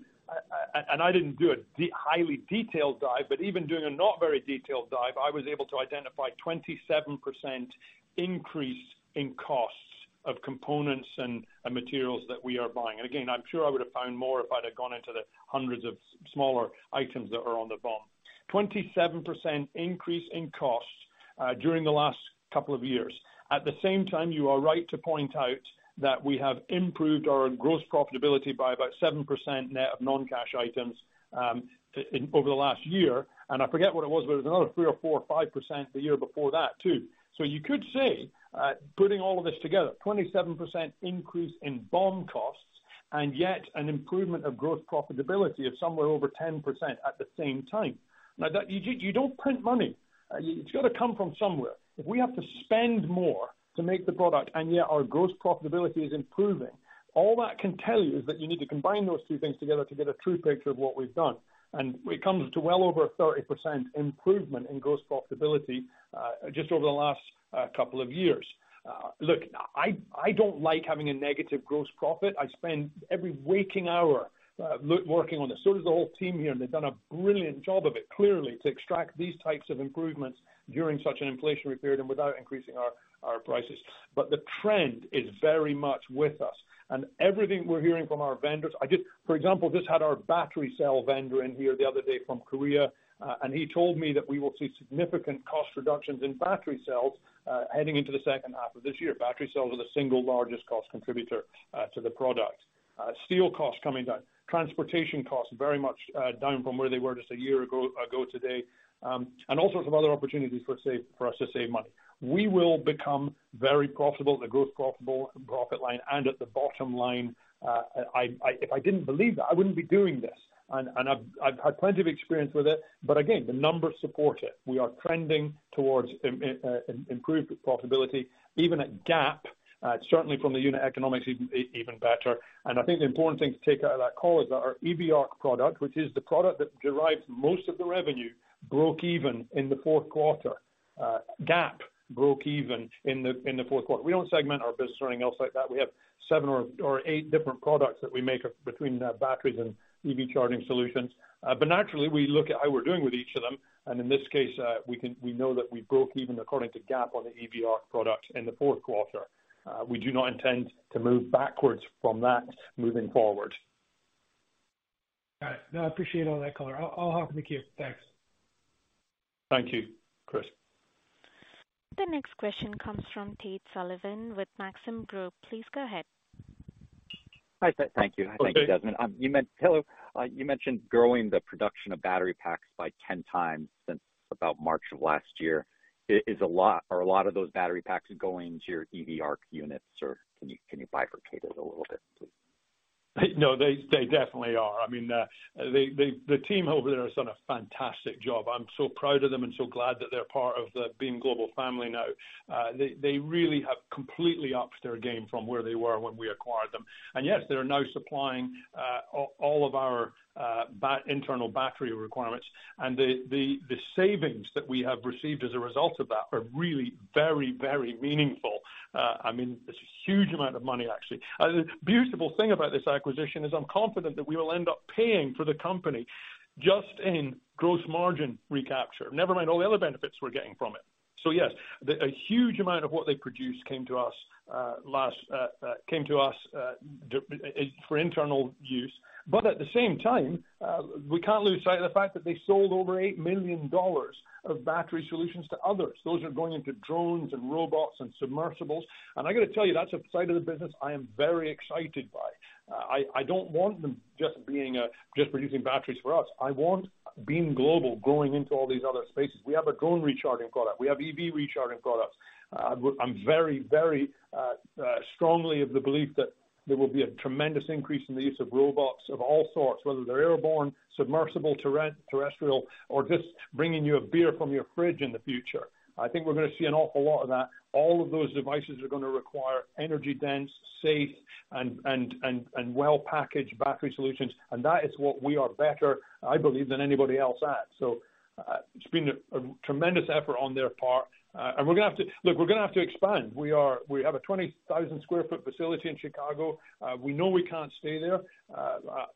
identify 27% increase in costs of components and materials that we are buying. Again, I'm sure I would have found more if I'd have gone into the hundreds of smaller items that are on the BOM. 27% increase in costs during the last couple of years. At the same time, you are right to point out that we have improved our gross profitability by about 7% net of non-cash items over the last year. I forget what it was, but it was another 3% or 4% or 5% the year before that too. You could say, putting all of this together, 27% increase in BOM costs and yet an improvement of gross profitability of somewhere over 10% at the same time. That, you don't print money. It's gotta come from somewhere. If we have to spend more to make the product and yet our gross profitability is improving, all that can tell you is that you need to combine those two things together to get a true picture of what we've done. It comes to well over 30% improvement in gross profitability, just over the last couple of years. Look, I don't like having a negative gross profit. I spend every waking hour working on this. Does the whole team here, and they've done a brilliant job of it, clearly, to extract these types of improvements during such an inflationary period and without increasing our prices. The trend is very much with us. Everything we're hearing from our vendors. I did, for example, just had our battery cell vendor in here the other day from Korea, and he told me that we will see significant cost reductions in battery cells heading into the second half of this year. Battery cells are the single largest cost contributor to the product. Steel costs coming down. Transportation costs very much down from where they were just a year ago today, and all sorts of other opportunities for us to save money. We will become very profitable at the gross profitable profit line and at the bottom line. If I didn't believe that, I wouldn't be doing this. I've had plenty of experience with it. Again, the numbers support it. We are trending towards improved profitability, even at GAAP, certainly from the unit economics even better. I think the important thing to take out of that call is that our EV ARC product, which is the product that derives most of the revenue, broke even in the Q4. GAAP broke even in the Q4. We don't segment our business or anything else like that. We have seven or eight different products that we make between the batteries and EV charging solutions. Naturally, we look at how we're doing with each of them, and in this case, we know that we broke even according to GAAP on the EV ARC product in the Q4. We do not intend to move backwards from that moving forward. All right. No, I appreciate all that color. I'll hop in the queue. Thanks. Thank you, Chris. The next question comes from Tate Sullivan with Maxim Group. Please go ahead. Hi, Tate. Thank you. Okay. Thank you, Desmond. You mentioned growing the production of battery packs by 10 times since about March of last year. Is a lot or a lot of those battery packs going to your EV ARC units, or can you bifurcate it a little bit, please? No, they definitely are. I mean, the team over there has done a fantastic job. I'm so proud of them and so glad that they're part of the Beam Global family now. They really have completely upped their game from where they were when we acquired them. Yes, they are now supplying all of our internal battery requirements. The savings that we have received as a result of that are really meaningful. I mean, it's a huge amount of money, actually. The beautiful thing about this acquisition is I'm confident that we will end up paying for the company just in gross margin recapture, never mind all the other benefits we're getting from it. Yes, a huge amount of what they produced came to us last for internal use. At the same time, we can't lose sight of the fact that they sold over $8 million of battery solutions to others. Those are going into drones and robots and submersibles. I gotta tell you, that's a side of the business I am very excited by. I don't want them just being just producing batteries for us. I want Beam Global going into all these other spaces. We have a drone recharging product. We have EV recharging products. I'm very strongly of the belief that there will be a tremendous increase in the use of robots of all sorts, whether they're airborne, submersible, terrestrial, or just bringing you a beer from your fridge in the future. I think we're gonna see an awful lot of that. All of those devices are gonna require energy-dense, safe, and well-packaged battery solutions, and that is what we are better, I believe, than anybody else at. It's been a tremendous effort on their part. We're gonna have to expand. We have a 20,000 sq ft facility in Chicago. We know we can't stay there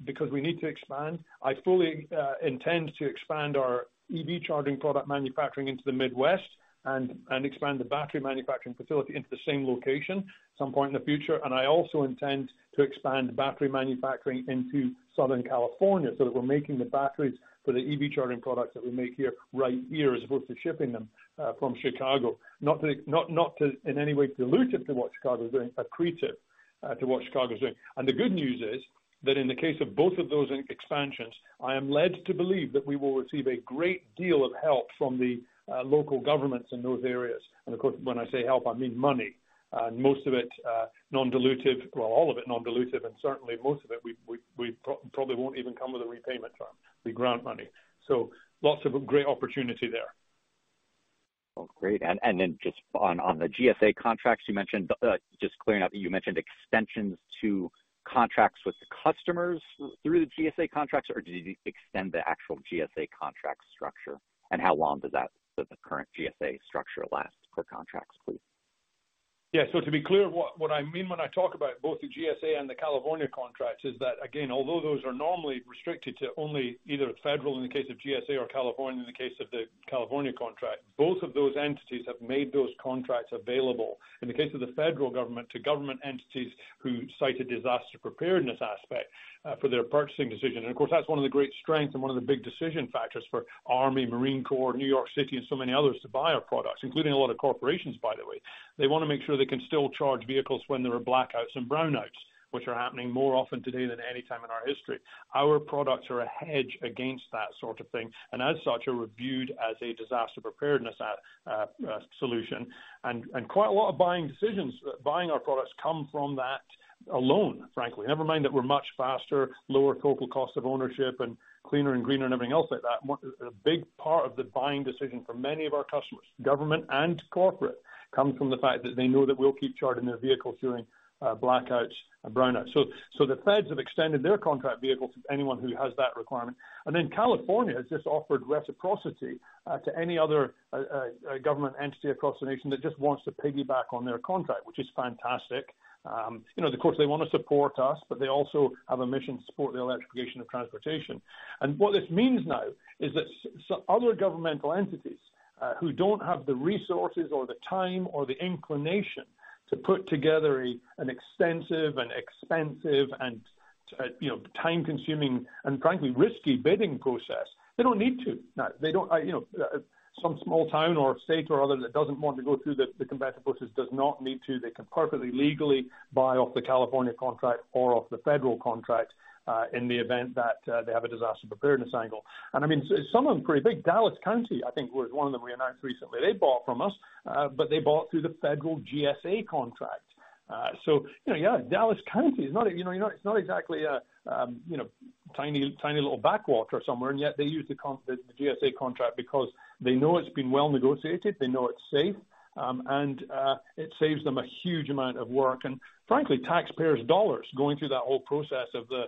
because we need to expand. I fully intend to expand our EV charging product manufacturing into the Midwest and expand the battery manufacturing facility into the same location some point in the future. I also intend to expand battery manufacturing into Southern California so that we're making the batteries for the EV charging products that we make here, right here, as opposed to shipping them from Chicago. Not to in any way dilute it to what Chicago is doing, accrete it. To watch Chicago's doing. The good news is that in the case of both of those expansions, I am led to believe that we will receive a great deal of help from the local governments in those areas. Of course, when I say help, I mean money, and most of it non-dilutive. All of it non-dilutive, and certainly most of it, we probably won't even come with a repayment term. We grant money. Lots of great opportunity there. Great. Then just on the GSA contracts you mentioned, just clearing up, you mentioned extensions to contracts with the customers through the GSA contracts? Or did you extend the actual GSA contract structure? How long does that, does the current GSA structure last for contracts, please? Yeah. To be clear, what I mean when I talk about both the GSA and the California contracts is that, again, although those are normally restricted to only either federal in the case of GSA or California in the case of the California contract, both of those entities have made those contracts available. In the case of the federal government, to government entities who cite a disaster preparedness aspect for their purchasing decision. Of course, that's one of the great strengths and one of the big decision factors for Army, Marine Corps, New York City and so many others to buy our products, including a lot of corporations, by the way. They wanna make sure they can still charge vehicles when there are blackouts and brownouts, which are happening more often today than any time in our history. Our products are a hedge against that sort of thing, and as such, are viewed as a disaster preparedness solution. Quite a lot of buying decisions, buying our products come from that alone, frankly. Never mind that we're much faster, lower total cost of ownership, and cleaner and greener and everything else like that. A big part of the buying decision for many of our customers, government and corporate, comes from the fact that they know that we'll keep charging their vehicles during blackouts and brownouts. The feds have extended their contract vehicles to anyone who has that requirement. California has just offered reciprocity to any other government entity across the nation that just wants to piggyback on their contract, which is fantastic. you know, of course, they wanna support us, but they also have a mission to support the electrification of transportation. What this means now is that some other governmental entities, who don't have the resources or the time or the inclination to put together an extensive and expensive and, you know, time-consuming and, frankly, risky bidding process, they don't need to. They don't, you know, some small town or state or other that doesn't want to go through the competitive process does not need to. They can perfectly legally buy off the California contract or off the federal contract, in the event that they have a disaster preparedness angle. I mean, some of them pretty big. Dallas County, I think, was 1 of them we announced recently. They bought from us, but they bought through the federal GSA contract. So you know, yeah, Dallas County is not, you know, it's not exactly a, you know, tiny little backwater somewhere, and yet they use the GSA contract because they know it's been well negotiated, they know it's safe, and it saves them a huge amount of work and frankly, taxpayers' dollars going through that whole process of the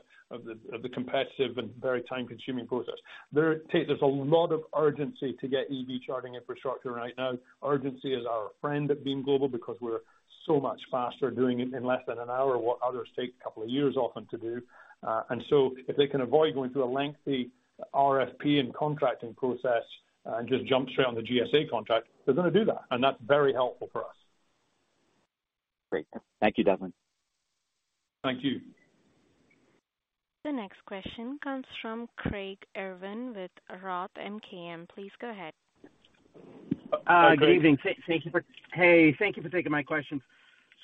competitive and very time-consuming process. There's a lot of urgency to get EV charging infrastructure right now. Urgency is our friend at Beam Global because we're so much faster doing it in less than an hour what others take a couple of years often to do. So if they can avoid going through a lengthy RFP and contracting process and just jump straight on the GSA contract, they're gonna do that. That's very helpful for us. Great. Thank you, Desmond. Thank you. The next question comes from Craig Irwin with Roth MKM. Please go ahead. Hi, Craig. Good evening. Thank you for taking my questions.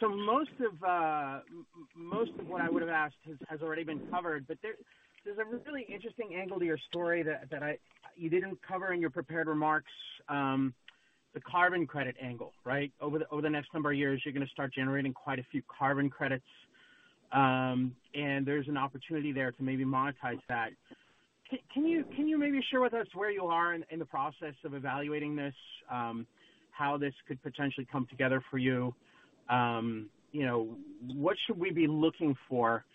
Most of what I would have asked has already been covered, but there's a really interesting angle to your story that you didn't cover in your prepared remarks, the carbon credit angle, right? Over the next number of years, you're gonna start generating quite a few carbon credits, and there's an opportunity there to maybe monetize that. Can you maybe share with us where you are in the process of evaluating this, how this could potentially come together for you? You know, what should we be looking for?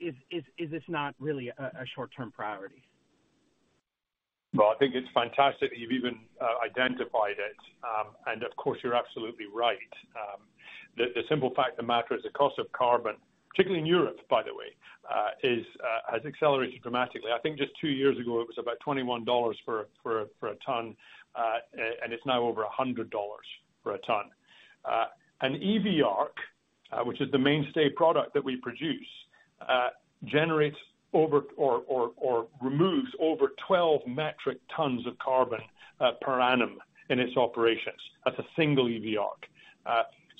Is this not really a short-term priority? Well, I think it's fantastic that you've even identified it. Of course you're absolutely right. The simple fact of the matter is the cost of carbon, particularly in Europe, by the way, has accelerated dramatically. I think just two-years ago, it was about $21 for a ton, and it's now over $100 for a ton. An EV ARC, which is the mainstay product that we produce, generates over or removes over 12 metric tons of carbon per annum in its operations. That's a single EV ARC.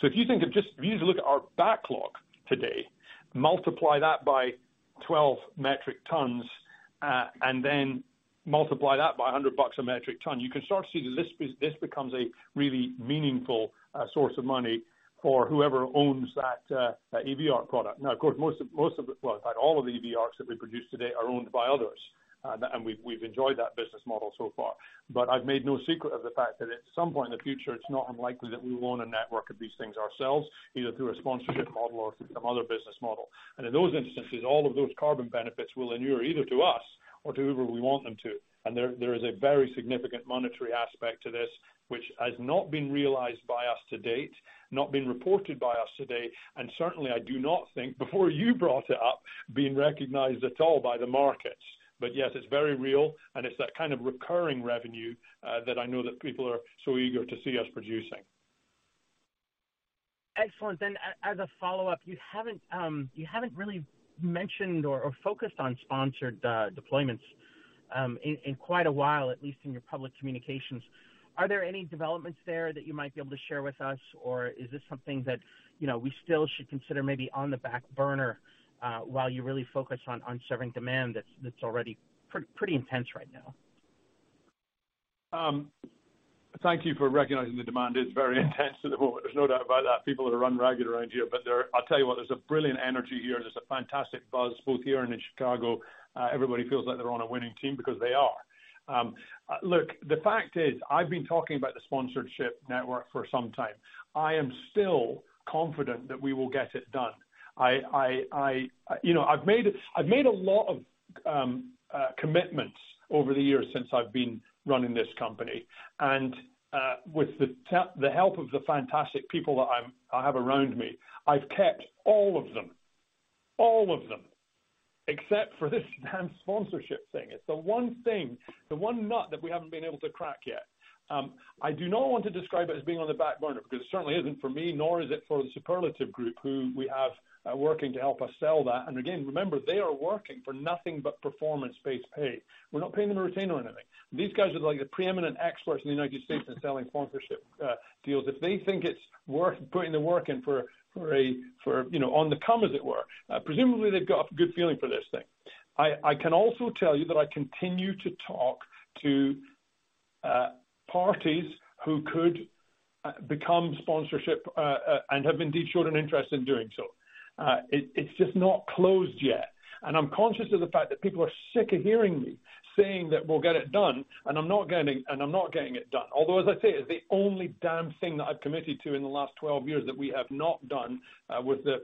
If you just look at our backlog today, multiply that by 12 metric tons, and then multiply that by $100 a metric ton, you can start to see that this becomes a really meaningful source of money for whoever owns that EV ARC product. Now, of course, most of it, well, in fact, all of the EV ARCs that we produce today are owned by others. We've enjoyed that business model so far. I've made no secret of the fact that at some point in the future, it's not unlikely that we will own a network of these things ourselves, either through a sponsorship model or through some other business model. In those instances, all of those carbon benefits will inure either to us or to whoever we want them to. There is a very significant monetary aspect to this, which has not been realized by us to date, not been reported by us to date, and certainly I do not think before you brought it up, being recognized at all by the markets. Yes, it's very real, and it's that kind of recurring revenue that I know that people are so eager to see us producing. Excellent. As a follow-up, you haven't really mentioned or focused on sponsored deployments? in quite a while, at least in your public communications. Are there any developments there that you might be able to share with us? Is this something that, you know, we still should consider maybe on the back burner, while you really focus on serving demand that's already pretty intense right now? Thank you for recognizing the demand is very intense at the moment. There's no doubt about that. People are run ragged around here. I'll tell you what, there's a brilliant energy here. There's a fantastic buzz both here and in Chicago. Everybody feels like they're on a winning team because they are. Look, the fact is, I've been talking about the sponsorship network for some time. I am still confident that we will get it done. I, you know, I've made a lot of commitments over the years since I've been running this company. With the help of the fantastic people that I have around me, I've kept all of them, except for this damn sponsorship thing. It's the one thing, the one nut that we haven't been able to crack yet. I do not want to describe it as being on the back burner because it certainly isn't for me, nor is it for the superlative group who we have working to help us sell that. Again, remember, they are working for nothing but performance-based pay. We're not paying them a retainer or anything. These guys are like the preeminent experts in the United States in selling sponsorship deals. If they think it's worth putting the work in, you know, on the come, as it were, presumably they've got a good feeling for this thing. I can also tell you that I continue to talk to parties who could become sponsorship and have indeed showed an interest in doing so. It's just not closed yet. I'm conscious of the fact that people are sick of hearing me saying that we'll get it done and I'm not getting it done. As I say, it's the only damn thing that I've committed to in the last 12 years that we have not done, with the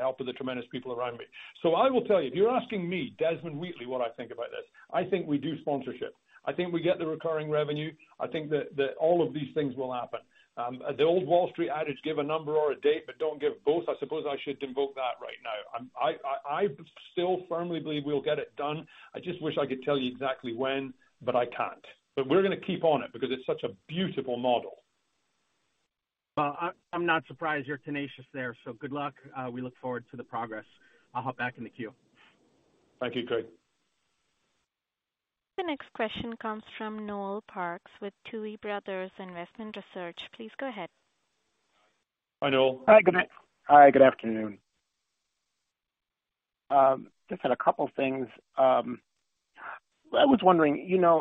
help of the tremendous people around me. I will tell you, if you're asking me, Desmond Wheatley, what I think about this, I think we do sponsorship. I think we get the recurring revenue. I think that all of these things will happen. The old Wall Street adage, give a number or a date, but don't give both, I suppose I should invoke that right now. I still firmly believe we'll get it done. I just wish I could tell you exactly when, but I can't. We're gonna keep on it because it's such a beautiful model. Well, I'm not surprised you're tenacious there, so good luck. We look forward to the progress. I'll hop back in the queue. Thank you, Craig. The next question comes from Noel Parks with Tuohy Brothers Investment Research. Please go ahead. Hi, Noel. Hi, good afternoon. Just had a couple things. I was wondering, you know,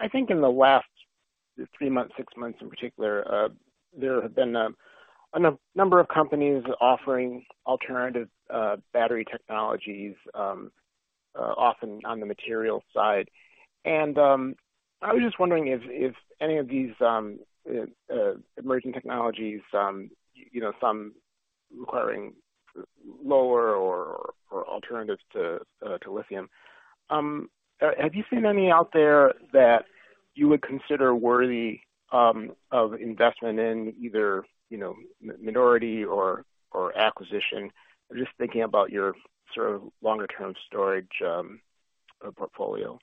I think in the last three months, six months in particular, there have been a number of companies offering alternative battery technologies, often on the material side. I was just wondering if any of these emerging technologies, you know, some requiring lower or alternative to lithium, have you seen any out there that you would consider worthy of investment in either, you know, minority or acquisition? I'm just thinking about your sort of longer-term storage portfolio.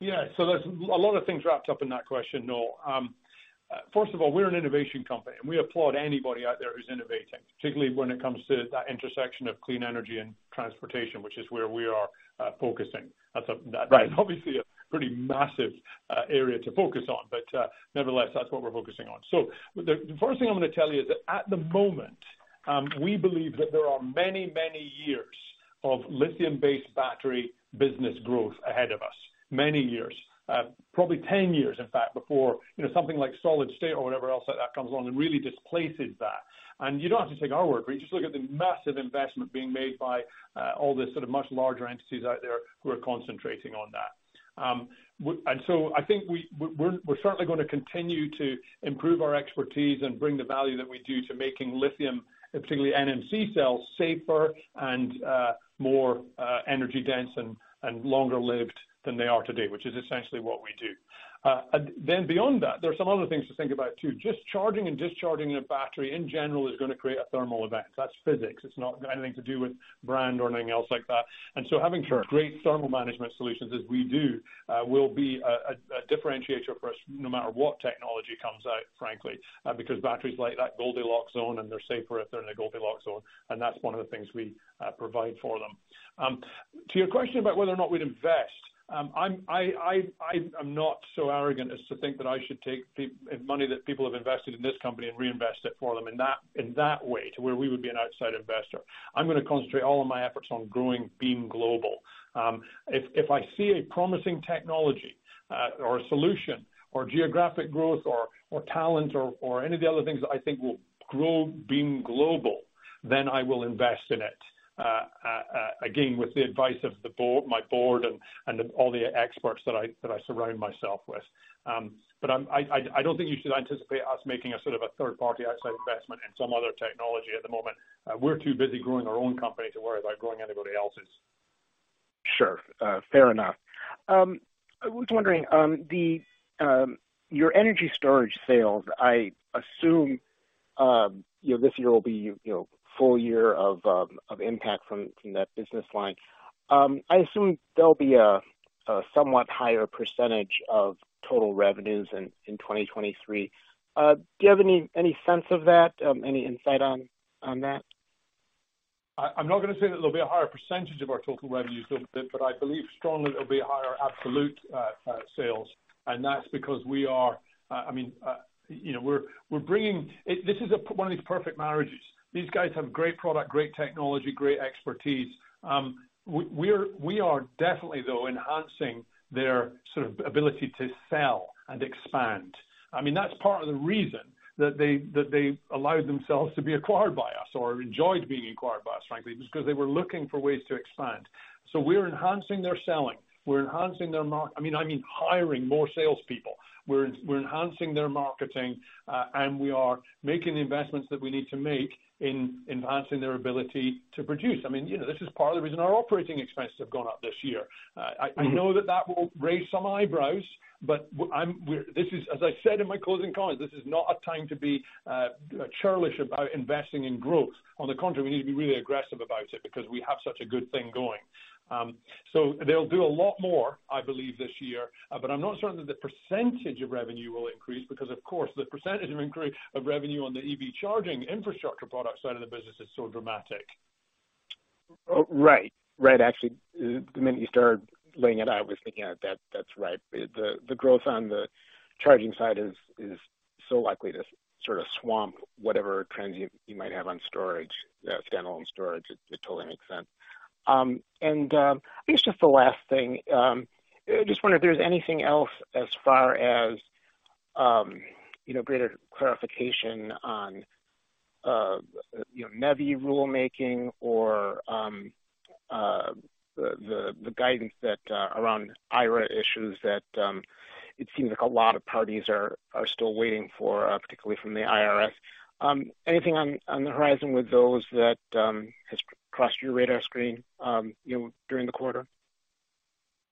Yeah. There's a lot of things wrapped up in that question, Noel. First of all, we're an innovation company, and we applaud anybody out there who's innovating, particularly when it comes to that intersection of clean energy and transportation, which is where we are focusing. Right. Obviously a pretty massive area to focus on, but nevertheless, that's what we're focusing on. The first thing I'm gonna tell you is that at the moment, we believe that there are many, many years of lithium-based battery business growth ahead of us. Many years, probably 10-years, in fact, before, you know, something like solid state or whatever else like that comes along and really displaces that. You don't have to take our word for it. You just look at the massive investment being made by all the sort of much larger entities out there who are concentrating on that. I think we're certainly gonna continue to improve our expertise and bring the value that we do to making lithium, and particularly NMC cells, safer and, more, energy-dense and longer lived than they are today, which is essentially what we do. Beyond that, there are some other things to think about, too. Just charging and discharging a battery in general is gonna create a thermal event. That's physics. It's not got anything to do with brand or anything else like that. Sure. Great thermal management solutions, as we do, will be a differentiator for us no matter what technology comes out, frankly. Because batteries like that Goldilocks zone and they're safer if they're in a Goldilocks zone, and that's one of the things we provide for them. To your question about whether or not we'd invest, I am not so arrogant as to think that I should take money that people have invested in this company and reinvest it for them in that way to where we would be an outside investor. I'm gonna concentrate all of my efforts on growing Beam Global. If I see a promising technology, or a solution or geographic growth or talent or any of the other things that I think will grow Beam Global, then I will invest in it, again, with the advice of the board, my board and all the experts that I surround myself with. I don't think you should anticipate us making a sort of a third-party outside investment in some other technology at the moment. We're too busy growing our own company to worry about growing anybody else's. Sure. Fair enough. I was wondering, the, your energy storage sales, I assume, you know, this year will be, you know, full year of impact from that business line. I assume there'll be a somewhat higher percentage of total revenues in 2023. Do you have any sense of that? Any insight on that? I'm not gonna say that it'll be a higher percentage of our total revenues over there, but I believe strongly it'll be higher absolute sales. That's because we are, I mean, you know, this is one of these perfect marriages. These guys have great product, great technology, great expertise. We are definitely though enhancing their sort of ability to sell and expand. I mean, that's part of the reason that they allowed themselves to be acquired by us or enjoyed being acquired by us, frankly, because they were looking for ways to expand. We're enhancing their selling, we're enhancing their hiring more salespeople. We're enhancing their marketing, and we are making the investments that we need to make in enhancing their ability to produce. I mean, you know, this is part of the reason our operating expenses have gone up this year. I know that that will raise some eyebrows, but this is as I said in my closing comments, this is not a time to be churlish about investing in growth. We need to be really aggressive about it because we have such a good thing going. They'll do a lot more, I believe, this year, but I'm not certain that the % of revenue will increase because, of course, the % of increase of revenue on the EV charging infrastructure product side of the business is so dramatic. Right. Right. Actually, the minute you started laying it out, I was thinking that's right. The growth on the charging side is so likely to sort of swamp whatever trends you might have on storage, standalone storage. It totally makes sense. I guess just the last thing, I just wonder if there's anything else as far as, you know, greater clarification on, you know, NEVI rulemaking or the guidance that around IRA issues that it seems like a lot of parties are still waiting for, particularly from the IRS. Anything on the horizon with those that has crossed your radar screen, you know, during the quarter?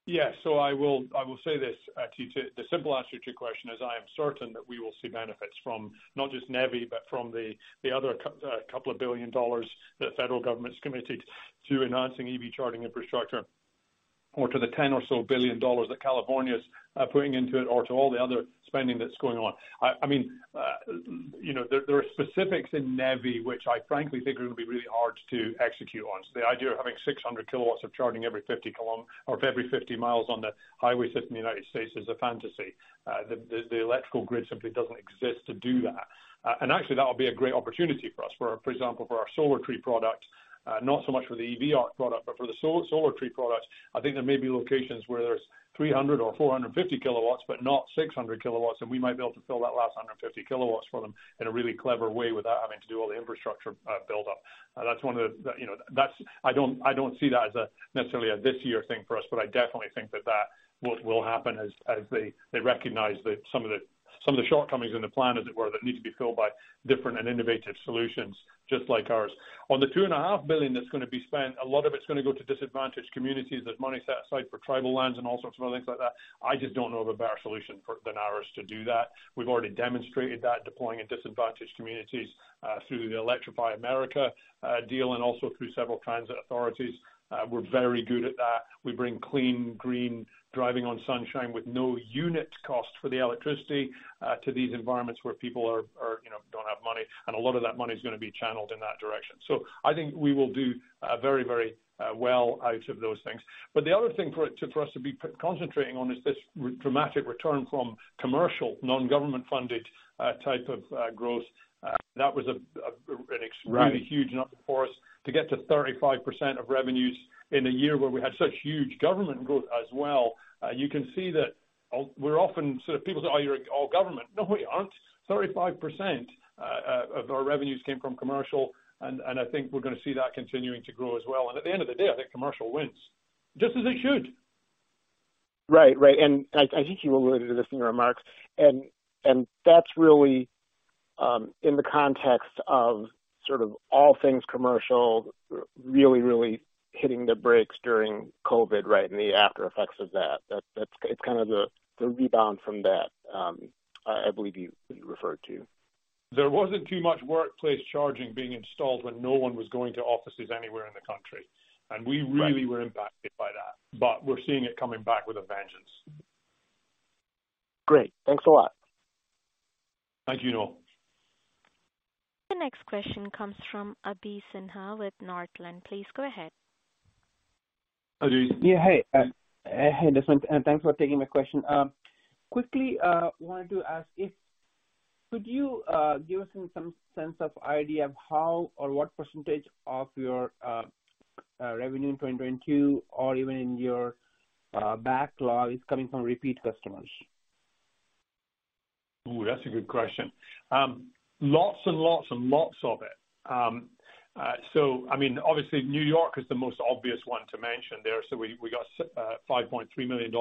I will say this. The simple answer to your question is I am certain that we will see benefits from not just NEVI, but from the other $2 billion the federal government's committed to enhancing EV charging infrastructure or to the $10 billion that California is putting into it or to all the other spending that's going on. I mean, you know, there are specifics in NEVI, which I frankly think are going to be really hard to execute on. The idea of having 600 kilowatts of charging every 50 miles on the highway system in the United States is a fantasy. The electrical grid simply doesn't exist to do that. Actually, that'll be a great opportunity for us, for example, for our Solar Tree product, not so much for the EV ARC product, but for the Solar Tree product. I think there may be locations where there's 300 or 450 kilowatts, but not 600 kilowatts, and we might be able to fill that last 150 kilowatts for them in a really clever way without having to do all the infrastructure build up. That's one of the, you know, I don't see that as a necessarily a this year thing for us, but I definitely think that that will happen as they recognize the shortcomings in the plan, as it were, that need to be filled by different and innovative solutions just like ours. On the two and a half billion that's gonna be spent, a lot of it's gonna go to disadvantaged communities. There's money set aside for tribal lands and all sorts of other things like that. I just don't know of a better solution than ours to do that. We've already demonstrated that deploying in disadvantaged communities, through the Electrify America deal and also through several transit authorities. We're very good at that. We bring clean, green Driving on Sunshine with no unit cost for the electricity to these environments where people are, you know, don't have money, and a lot of that money is gonna be channeled in that direction. I think we will do very, very well out of those things. The other thing for us to be concentrating on is this dramatic return from commercial, non-government funded, type of, growth. That was a- Right. really huge number for us to get to 35% of revenues in a year where we had such huge government growth as well. You can see that we're often sort of people say, "Oh, you're all government." No, we aren't. 35% of our revenues came from commercial, and I think we're gonna see that continuing to grow as well. At the end of the day, I think commercial wins, just as it should. Right. Right. I think you alluded to this in your remarks, and that's really, in the context of sort of all things commercial really, really hitting the brakes during COVID, right? The after effects of that. That's it's kind of the rebound from that, I believe you referred to. There wasn't too much workplace charging being installed when no one was going to offices anywhere in the country. Right. We really were impacted by that, but we're seeing it coming back with a vengeance. Great. Thanks a lot. Thank you, Noel. The next question comes from Abhi Sinha with Northland. Please go ahead. Hi, Abhi. Yeah. Hey, hey, Desmond, thanks for taking my question. quickly, wanted to ask if could you give us some sense of idea of how or what % of your revenue in 2022 or even in your backlog is coming from repeat customers? Ooh, that's a good question. Lots and lots and lots of it. I mean, obviously, New York is the most obvious one to mention there. We got a $5.3 million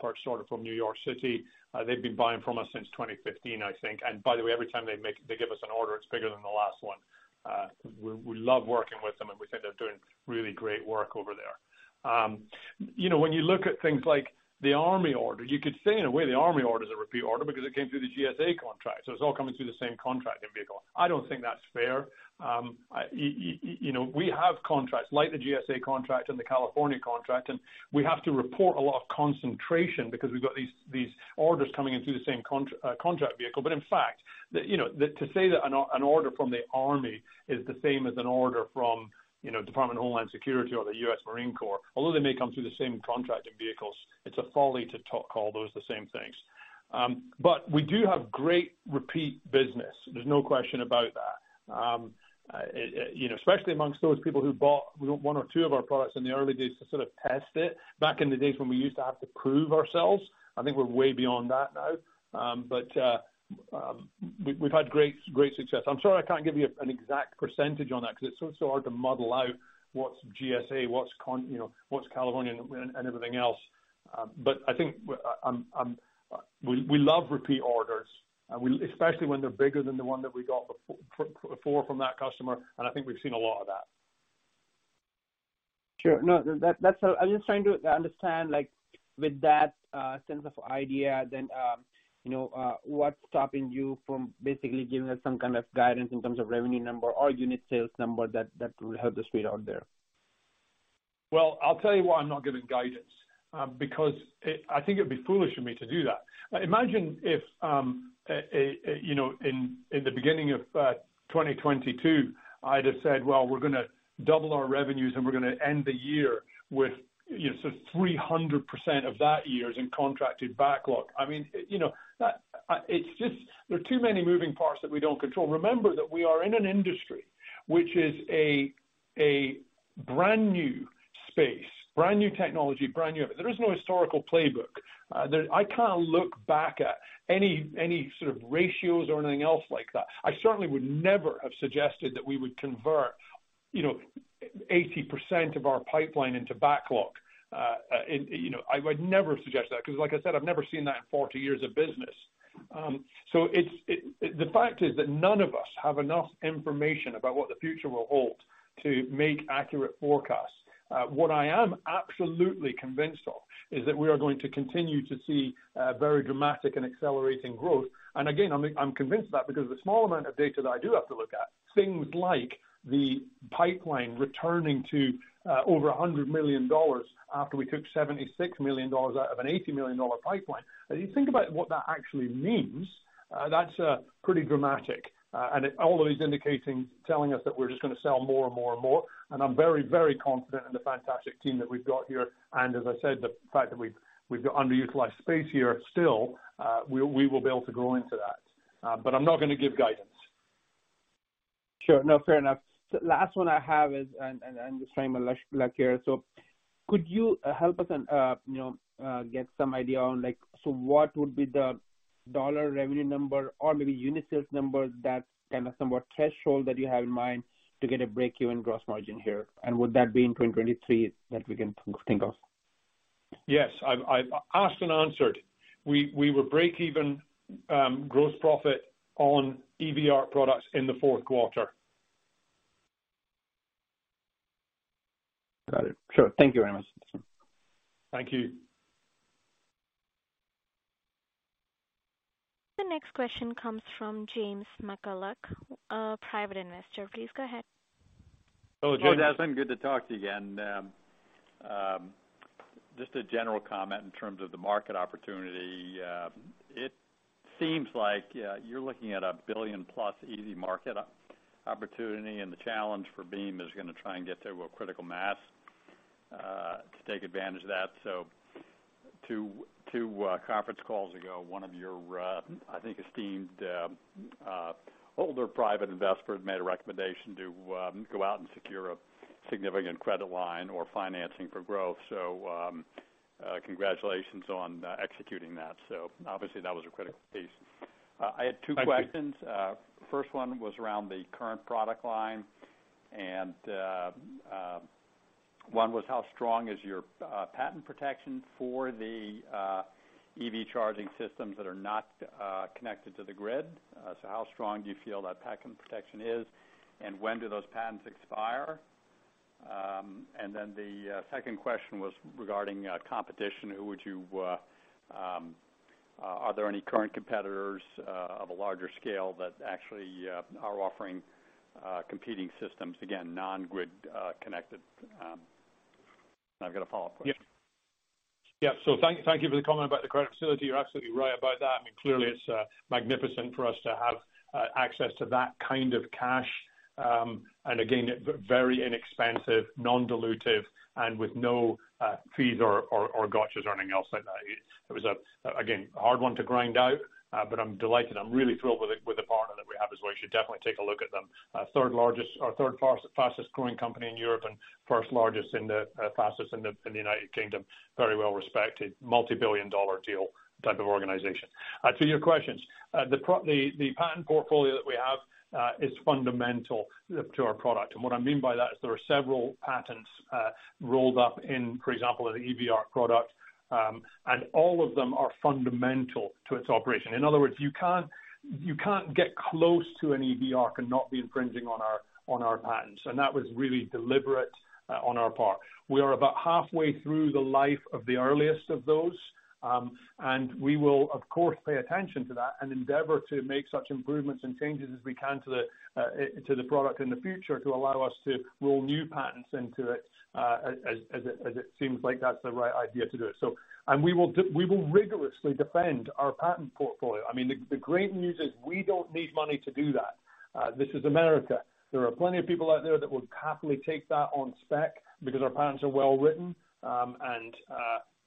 purchase order from New York City. They've been buying from us since 2015, I think. By the way, every time they give us an order, it's bigger than the last one. We love working with them and we think they're doing really great work over there. You know, when you look at things like the U.S. Army order, you could say in a way the U.S. Army order is a repeat order because it came through the GSA contract, so it's all coming through the same contracting vehicle. I don't think that's fair. You know, we have contracts like the GSA contract and the California contract. We have to report a lot of concentration because we've got these orders coming in through the same contract vehicle. In fact, you know, to say that an order from the Army is the same as an order from, you know, Department of Homeland Security or the U.S. Marine Corps, although they may come through the same contracting vehicles, it's a folly to talk all those the same things. We do have great repeat business. There's no question about that. You know, especially amongst those people who bought one or two of our products in the early days to sort of test it back in the days when we used to have to prove ourselves. I think we're way beyond that now. We've had great success. I'm sorry, I can't give you an exact % on that because it's so hard to muddle out what's GSA, what's you know, what's California and everything else. I think we love repeat orders, and we especially when they're bigger than the one that we got before from that customer, and I think we've seen a lot of that. Sure. No, that's all. I'm just trying to understand, like, with that sense of idea then, you know, what's stopping you from basically giving us some kind of guidance in terms of revenue number or unit sales number that will help the street out there? Well, I'll tell you why I'm not giving guidance, because I think it'd be foolish for me to do that. Imagine if, you know, in the beginning of 2022, I'd have said, "Well, we're gonna double our revenues, and we're gonna end the year with, you know, so 300% of that year's in contracted backlog." I mean, you know, it's just there are too many moving parts that we don't control. Remember that we are in an industry which is a brand-new space, brand-new technology, brand new. There is no historical playbook. I can't look back at any sort of ratios or anything else like that. I certainly would never have suggested that we would convert, you know, 80% of our pipeline into backlog. You know, I would never suggest that because, like I said, I've never seen that in 40 years of business. The fact is that none of us have enough information about what the future will hold to make accurate forecasts. What I am absolutely convinced of is that we are going to continue to see very dramatic and accelerating growth. Again, I'm convinced of that because the small amount of data that I do have to look at, things like the pipeline returning to over $100 million after we took $76 million out of an $80 million pipeline. If you think about what that actually means, that's pretty dramatic. It all of is indicating, telling us that we're just gonna sell more and more and more. I'm very confident in the fantastic team that we've got here. As I said, the fact that we've got underutilized space here still, we will be able to grow into that. I'm not gonna give guidance. Sure. No, fair enough. Last one I have is, and I'm just trying my luck here. Could you help us and, you know, get some idea on like so what would be the dollar revenue number or maybe unit sales number that kind of somewhat threshold that you have in mind to get a breakeven gross margin here? Would that be in 2023 that we can think of? Yes. I've asked and answered. We were breakeven gross profit on EV ARC products in the Q4. Got it. Sure. Thank you very much. Thank you. The next question comes from James McCullough, a private investor. Please go ahead. Hello, James. Hey, Desmond, good to talk to you again. Just a general comment in terms of the market opportunity. It seems like you're looking at a billion+ easy market opportunity, and the challenge for Beam is gonna try and get to a critical mass to take advantage of that. Two conference calls ago, one of your I think esteemed older private investors made a recommendation to go out and secure a significant credit line or financing for growth. Congratulations on executing that. Obviously that was a critical piece. I had two questions. Thank you. First one was around the current product line. One was how strong is your patent protection for the EV charging systems that are not connected to the grid? How strong do you feel that patent protection is, and when do those patents expire? The second question was regarding competition. Are there any current competitors of a larger scale that actually are offering competing systems, again, non-grid connected? I've got a follow-up question. Yeah. Yeah. Thank you for the comment about the credit facility. You're absolutely right about that. I mean, clearly it's magnificent for us to have access to that kind of cash. And again, very inexpensive, non-dilutive, and with no fees or gotchas or anything else like that. It was again a hard one to grind out, but I'm delighted. I'm really thrilled with the partner that we have as well. You should definitely take a look at them. Third largest or third fastest growing company in Europe and first largest in the fastest in the United Kingdom. Very well-respected, multi-billion dollar deal type of organization. To your questions, the patent portfolio that we have is fundamental to our product. What I mean by that is there are several patents, rolled up in, for example, the EV ARC product, and all of them are fundamental to its operation. In other words, you can't get close to an EV ARC and not be infringing on our patents. That was really deliberate, on our part. We are about halfway through the life of the earliest of those. We will of course, pay attention to that and endeavor to make such improvements and changes as we can to the product in the future to allow us to roll new patents into it, as it seems like that's the right idea to do it. We will rigorously defend our patent portfolio. I mean, the great news is we don't need money to do that. This is America. There are plenty of people out there that would happily take that on spec because our patents are well written, and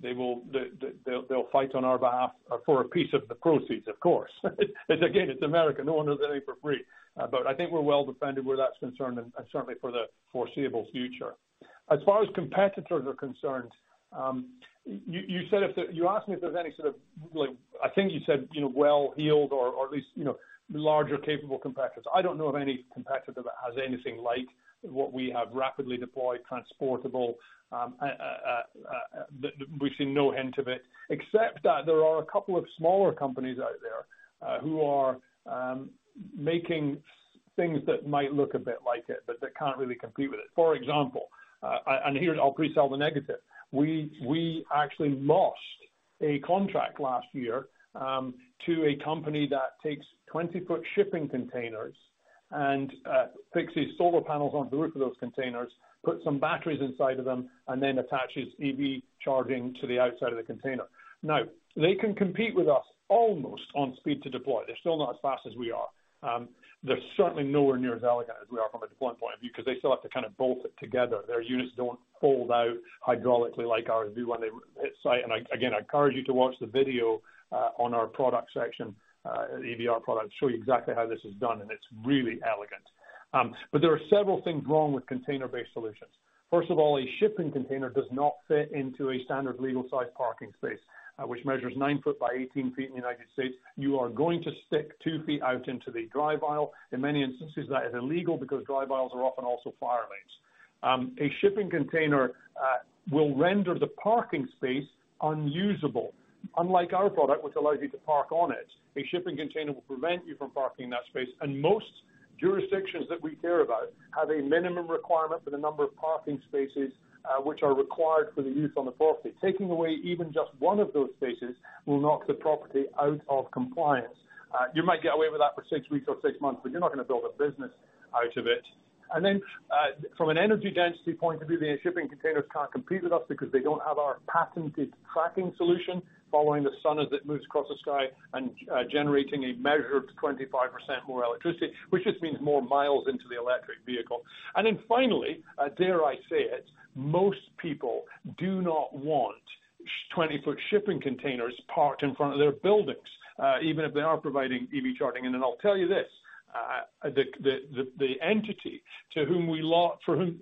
they'll fight on our behalf for a piece of the proceeds, of course. It's again, it's America. No one does anything for free. I think we're well defended where that's concerned and certainly for the foreseeable future. As far as competitors are concerned, You asked me if there's any sort of like, I think you said, you know, well-heeled or at least, you know, larger capable competitors. I don't know of any competitor that has anything like what we have rapidly deployed, transportable, that we've seen no hint of it, except that there are a couple of smaller companies out there who are making things that might look a bit like it, but that can't really compete with it. For example, and here I'll pre-sell the negative. We actually lost a contract last year to a company that takes 20-foot shipping containers and fixes solar panels onto the roof of those containers, puts some batteries inside of them, and then attaches EV charging to the outside of the container. Now, they can compete with us almost on speed to deploy. They're still not as fast as we are. They're certainly nowhere near as elegant as we are from a deployment point of view because they still have to kind of bolt it together. Their units don't fold out hydraulically like ours do when they hit site. Again, I encourage you to watch the video on our product section, EV ARC product, show you exactly how this is done, and it's really elegant. There are several things wrong with container-based solutions. First of all, a shipping container does not fit into a standard legal size parking space, which measures nine foot by 18 feet in the United States. You are going to stick 2 feet out into the drive aisle. In many instances, that is illegal because drive aisles are often also fire lanes. A shipping container will render the parking space unusable, unlike our product, which allows you to park on it. A shipping container will prevent you from parking in that space. Most jurisdictions that we care about have a minimum requirement for the number of parking spaces, which are required for the use on the property. Taking away even just one of those spaces will knock the property out of compliance. You might get away with that for six weeks or six months, but you're not gonna build a business out of it. From an energy density point of view, the shipping containers can't compete with us because they don't have our patented tracking solution following the sun as it moves across the sky and generating a measured 25% more electricity, which just means more miles into the electric vehicle. Finally, dare I say it, most people do not want 20-foot shipping containers parked in front of their buildings, even if they are providing EV charging. I'll tell you this, the entity to whom for whom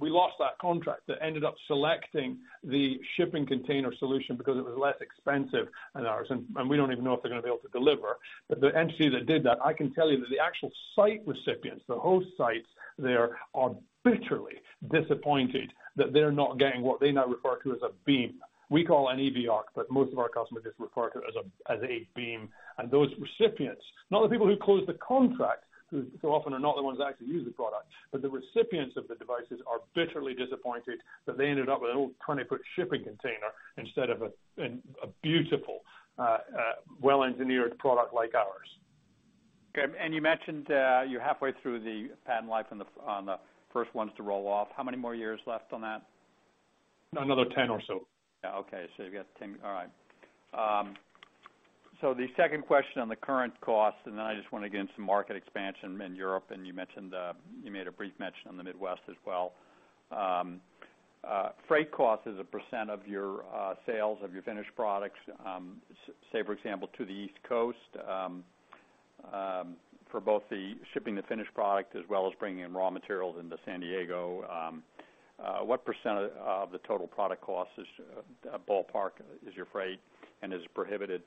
we lost that contract that ended up selecting the shipping container solution because it was less expensive than ours, and we don't even know if they're gonna be able to deliver. The entity that did that, I can tell you that the actual site recipients, the host sites there are bitterly disappointed that they're not getting what they now refer to as a Beam. We call an EV ARC, but most of our customers just refer to it as a Beam. Those recipients, not the people who close the contract, who so often are not the ones that actually use the product, but the recipients of the devices are bitterly disappointed that they ended up with an old 20-foot shipping container instead of a beautiful, well-engineered product like ours. Okay. You mentioned, you're halfway through the patent life on the first ones to roll off. How many more years left on that? Another 10 or so. Yeah. Okay. You've got 10. All right. The second question on the current cost, and then I just went against some market expansion in Europe, and you mentioned you made a brief mention on the Midwest as well. Freight cost is a % of your sales of your finished products, say for example, to the East Coast, for both the shipping the finished product as well as bringing in raw materials into San Diego. What % of the total product cost is ballpark is your freight? Is it prohibited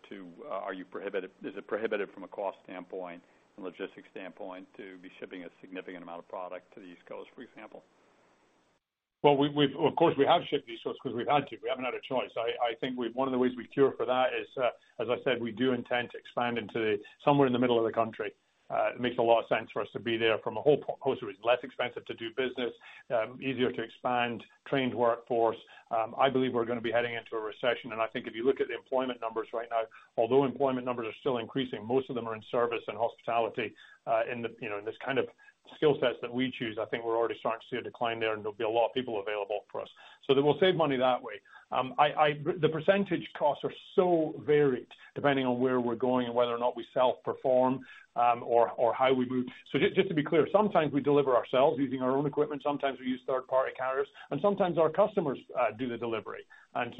from a cost standpoint and logistics standpoint to be shipping a significant amount of product to the East Coast, for example? We've, of course, we have shipped these sorts because we've had to. We haven't had a choice. One of the ways we cure for that is, as I said, we do intend to expand somewhere in the middle of the country. It makes a lot of sense for us to be there from a whole host of reasons. Less expensive to do business, easier to expand, trained workforce. I believe we're gonna be heading into a recession. I think if you look at the employment numbers right now, although employment numbers are still increasing, most of them are in service and hospitality, in the, you know, in this kind of skill sets that we choose. I think we're already starting to see a decline there, and there'll be a lot of people available for us. We'll save money that way. The percentage costs are so varied depending on where we're going and whether or not we self-perform, or how we move. Just to be clear, sometimes we deliver ourselves using our own equipment, sometimes we use third-party carriers, and sometimes our customers do the delivery.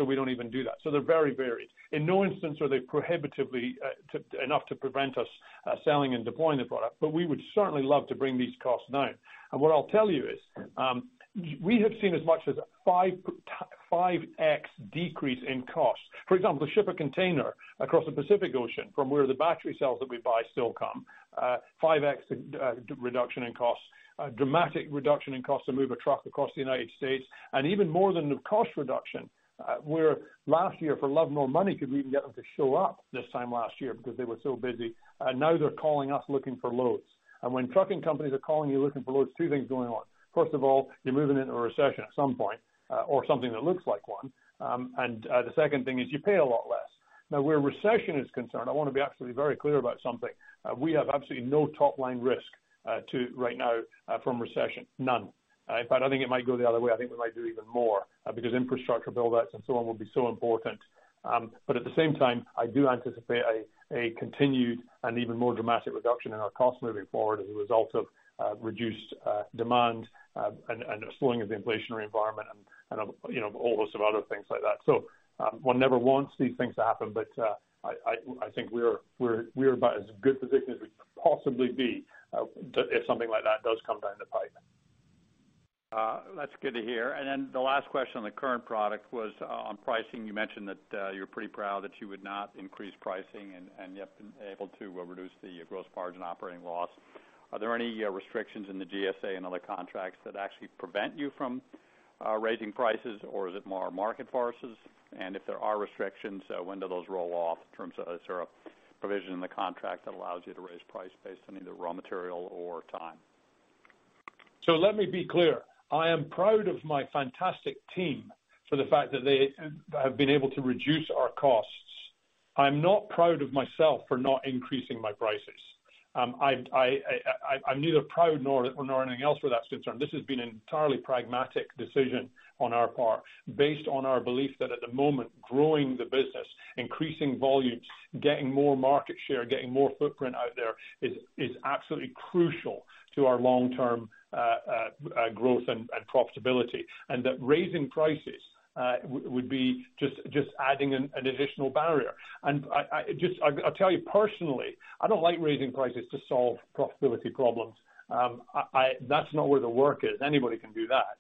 We don't even do that. They're very varied. In no instance are they prohibitively enough to prevent us selling and deploying the product, but we would certainly love to bring these costs down. What I'll tell you is, we have seen as much as 5x decrease in costs. For example, to ship a container across the Pacific Ocean from where the battery cells that we buy still come, 5x reduction in costs, a dramatic reduction in costs to move a truck across the United States. Even more than the cost reduction, where last year for love more money could we even get them to show up this time last year because they were so busy. Now they're calling us looking for loads. When trucking companies are calling you looking for loads, two things going on. First of all, you're moving into a recession at some point, or something that looks like one. The second thing is you pay a lot less. Now, where recession is concerned, I want to be absolutely very clear about something. We have absolutely no top-line risk to right now from recession. None. In fact, I think it might go the other way. I think we might do even more because infrastructure build-outs and so on will be so important. At the same time, I do anticipate a continued and even more dramatic reduction in our costs moving forward as a result of reduced demand and a slowing of the inflationary environment and, you know, a whole host of other things like that. One never wants these things to happen, I think we're about as good position as we could possibly be if something like that does come down the pipe. That's good to hear. Then the last question on the current product was on pricing. You mentioned that you're pretty proud that you would not increase pricing and yet been able to reduce the gross margin operating loss. Are there any restrictions in the GSA and other contracts that actually prevent you from raising prices, or is it more market forces? If there are restrictions, when do those roll off in terms of, is there a provision in the contract that allows you to raise price based on either raw material or time? Let me be clear. I am proud of my fantastic team for the fact that they have been able to reduce our costs. I'm not proud of myself for not increasing my prices. I'm neither proud nor anything else where that's concerned. This has been an entirely pragmatic decision on our part based on our belief that at the moment, growing the business, increasing volumes, getting more market share, getting more footprint out there is absolutely crucial to our long-term growth and profitability. That raising prices would be just adding an additional barrier. I just-- I'll tell you personally, I don't like raising prices to solve profitability problems. I-- That's not where the work is. Anybody can do that.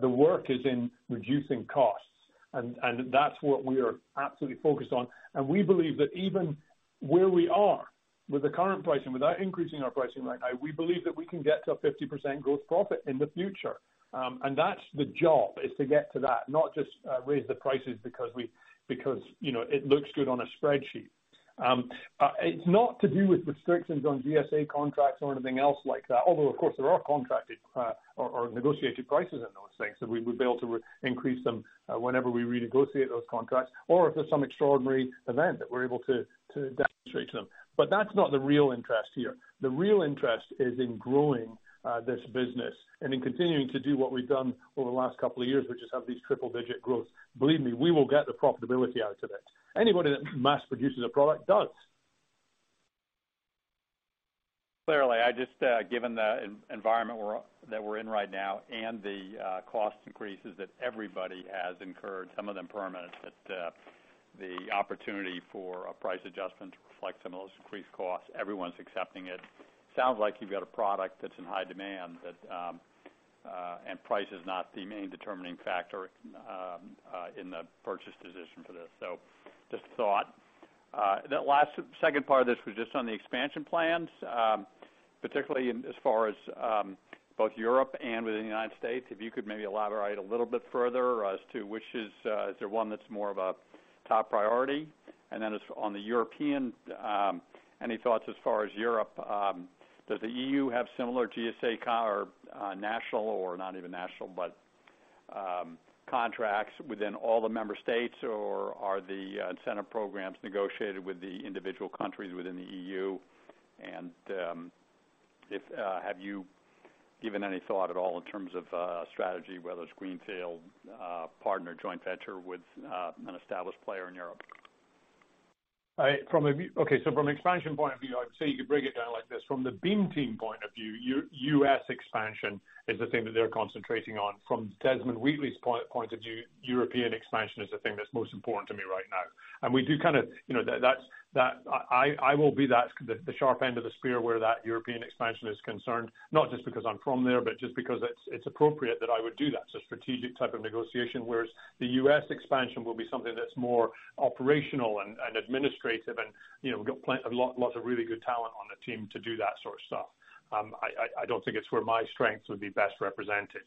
The work is in reducing costs, and that's what we are absolutely focused on. We believe that even where we are with the current pricing, without increasing our pricing right now, we believe that we can get to a 50% gross profit in the future. That's the job, is to get to that, not just raise the prices because, you know, it looks good on a spreadsheet. It's not to do with restrictions on GSA contracts or anything else like that. Although, of course, there are contracted or negotiated prices in those things that we would be able to increase them whenever we renegotiate those contracts or if there's some extraordinary event that we're able to demonstrate to them. That's not the real interest here. The real interest is in growing this business and in continuing to do what we've done over the last couple of years, which is have these triple-digit growth. Believe me, we will get the profitability out of it. Anybody that mass produces a product does. Clearly. I just given the environment that we're in right now and the cost increases that everybody has incurred, some of them permanent, that the opportunity for a price adjustment to reflect some of those increased costs, everyone's accepting it. Sounds like you've got a product that's in high demand that and price is not the main determining factor in the purchase decision for this. Just a thought. The last second part of this was just on the expansion plans, particularly as far as both Europe and within the United States. If you could maybe elaborate a little bit further as to which is there one that's more of a top priority? As on the European, any thoughts as far as Europe? Does the EU have similar GSA or national contracts within all the member states, or are the incentive programs negotiated with the individual countries within the EU? If, have you given any thought at all in terms of strategy, whether it's greenfield, partner, joint venture with an established player in Europe? Okay, from an expansion point of view, I'd say you could break it down like this. From the Beam Team point of view, U.S. expansion is the thing that they're concentrating on. From Desmond Wheatley's point of view, European expansion is the thing that's most important to me right now. We do kind of, you know, I will be that, the sharp end of the spear where that European expansion is concerned, not just because I'm from there, but just because it's appropriate that I would do that. It's a strategic type of negotiation, whereas the U.S. expansion will be something that's more operational and administrative and, you know, lots of really good talent on the team to do that sort of stuff. I don't think it's where my strengths would be best represented.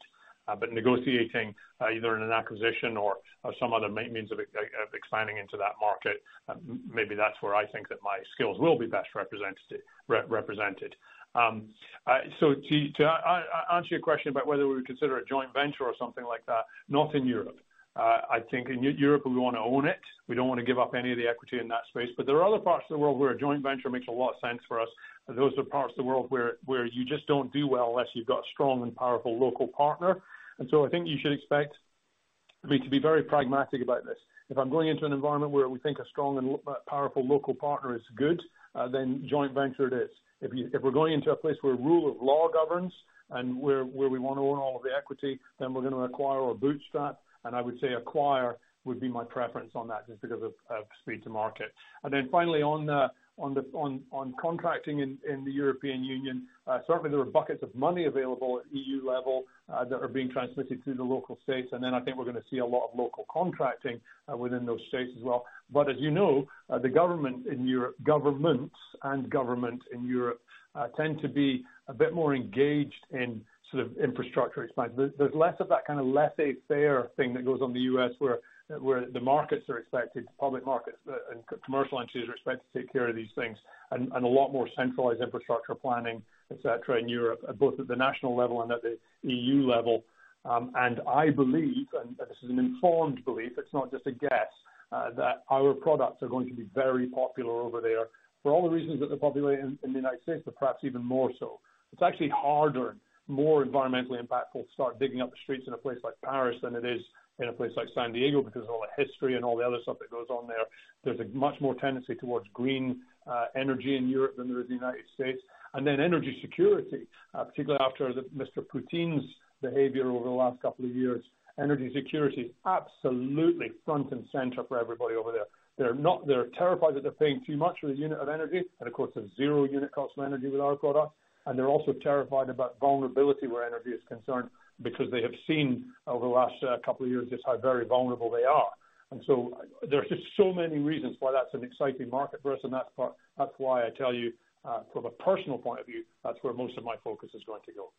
Negotiating, either in an acquisition or some other means of expanding into that market, maybe that's where I think that my skills will be best represented. To answer your question about whether we would consider a joint venture or something like that, not in Europe. I think in Europe, we wanna own it. We don't wanna give up any of the equity in that space. There are other parts of the world where a joint venture makes a lot of sense for us. Those are parts of the world where you just don't do well unless you've got a strong and powerful local partner. I think you should expect me to be very pragmatic about this. If I'm going into an environment where we think a strong and powerful local partner is good, then joint venture it is. If we're going into a place where rule of law governs and where we wanna own all of the equity, then we're gonna acquire or bootstrap. I would say acquire would be my preference on that just because of speed to market. Then finally on contracting in the European Union, certainly there are buckets of money available at EU level, that are being transmitted through the local states. Then I think we're gonna see a lot of local contracting within those states as well. As you know, the government in Europe, governments and government in Europe, tend to be a bit more engaged in sort of infrastructure expansion. There's less of that kind of laissez-faire thing that goes on in the U.S., where the markets are expected, public markets and commercial entities are expected to take care of these things, and a lot more centralized infrastructure planning, et cetera, in Europe, both at the national level and at the EU level. I believe, and this is an informed belief, it's not just a guess, that our products are going to be very popular over there for all the reasons that they're popular in the United States, but perhaps even more so. It's actually harder, more environmentally impactful to start digging up the streets in a place like Paris than it is in a place like San Diego because of all the history and all the other stuff that goes on there. There's a much more tendency towards green energy in Europe than there is in the United States. Then energy security, particularly after Mr. Putin's behavior over the last couple of years, energy security is absolutely front and center for everybody over there. They're terrified that they're paying too much for the unit of energy. Of course, there's zero unit cost of energy with our product. They're also terrified about vulnerability where energy is concerned because they have seen over the last couple of years just how very vulnerable they are. There's just so many reasons why that's an exciting market for us. That's why I tell you, from a personal point of view, that's where most of my focus is going to go.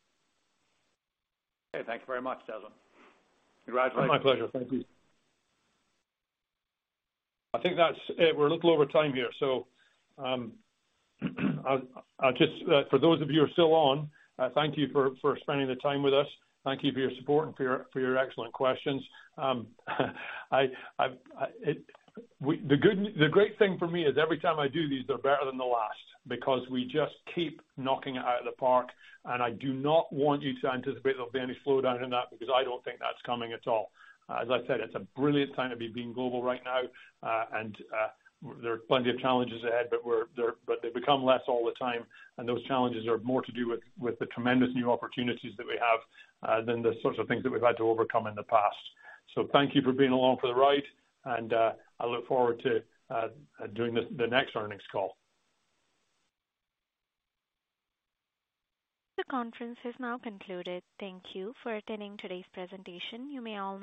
Okay. Thank you very much, Desmond. Congratulations. My pleasure. Thank you. I think that's it. We're a little over time here. I'll just for those of you who are still on, thank you for spending the time with us. Thank you for your support and for your excellent questions. The great thing for me is every time I do these, they're better than the last because we just keep knocking it out of the park. I do not want you to anticipate there'll be any slowdown in that because I don't think that's coming at all. As I said, it's a brilliant time to be Beam Global right now. There are plenty of challenges ahead, but we're there, they become less all the time. Those challenges are more to do with the tremendous new opportunities that we have than the sorts of things that we've had to overcome in the past. Thank you for being along for the ride, and I look forward to doing this, the next earnings call. The conference has now concluded. Thank you for attending today's presentation. You may all-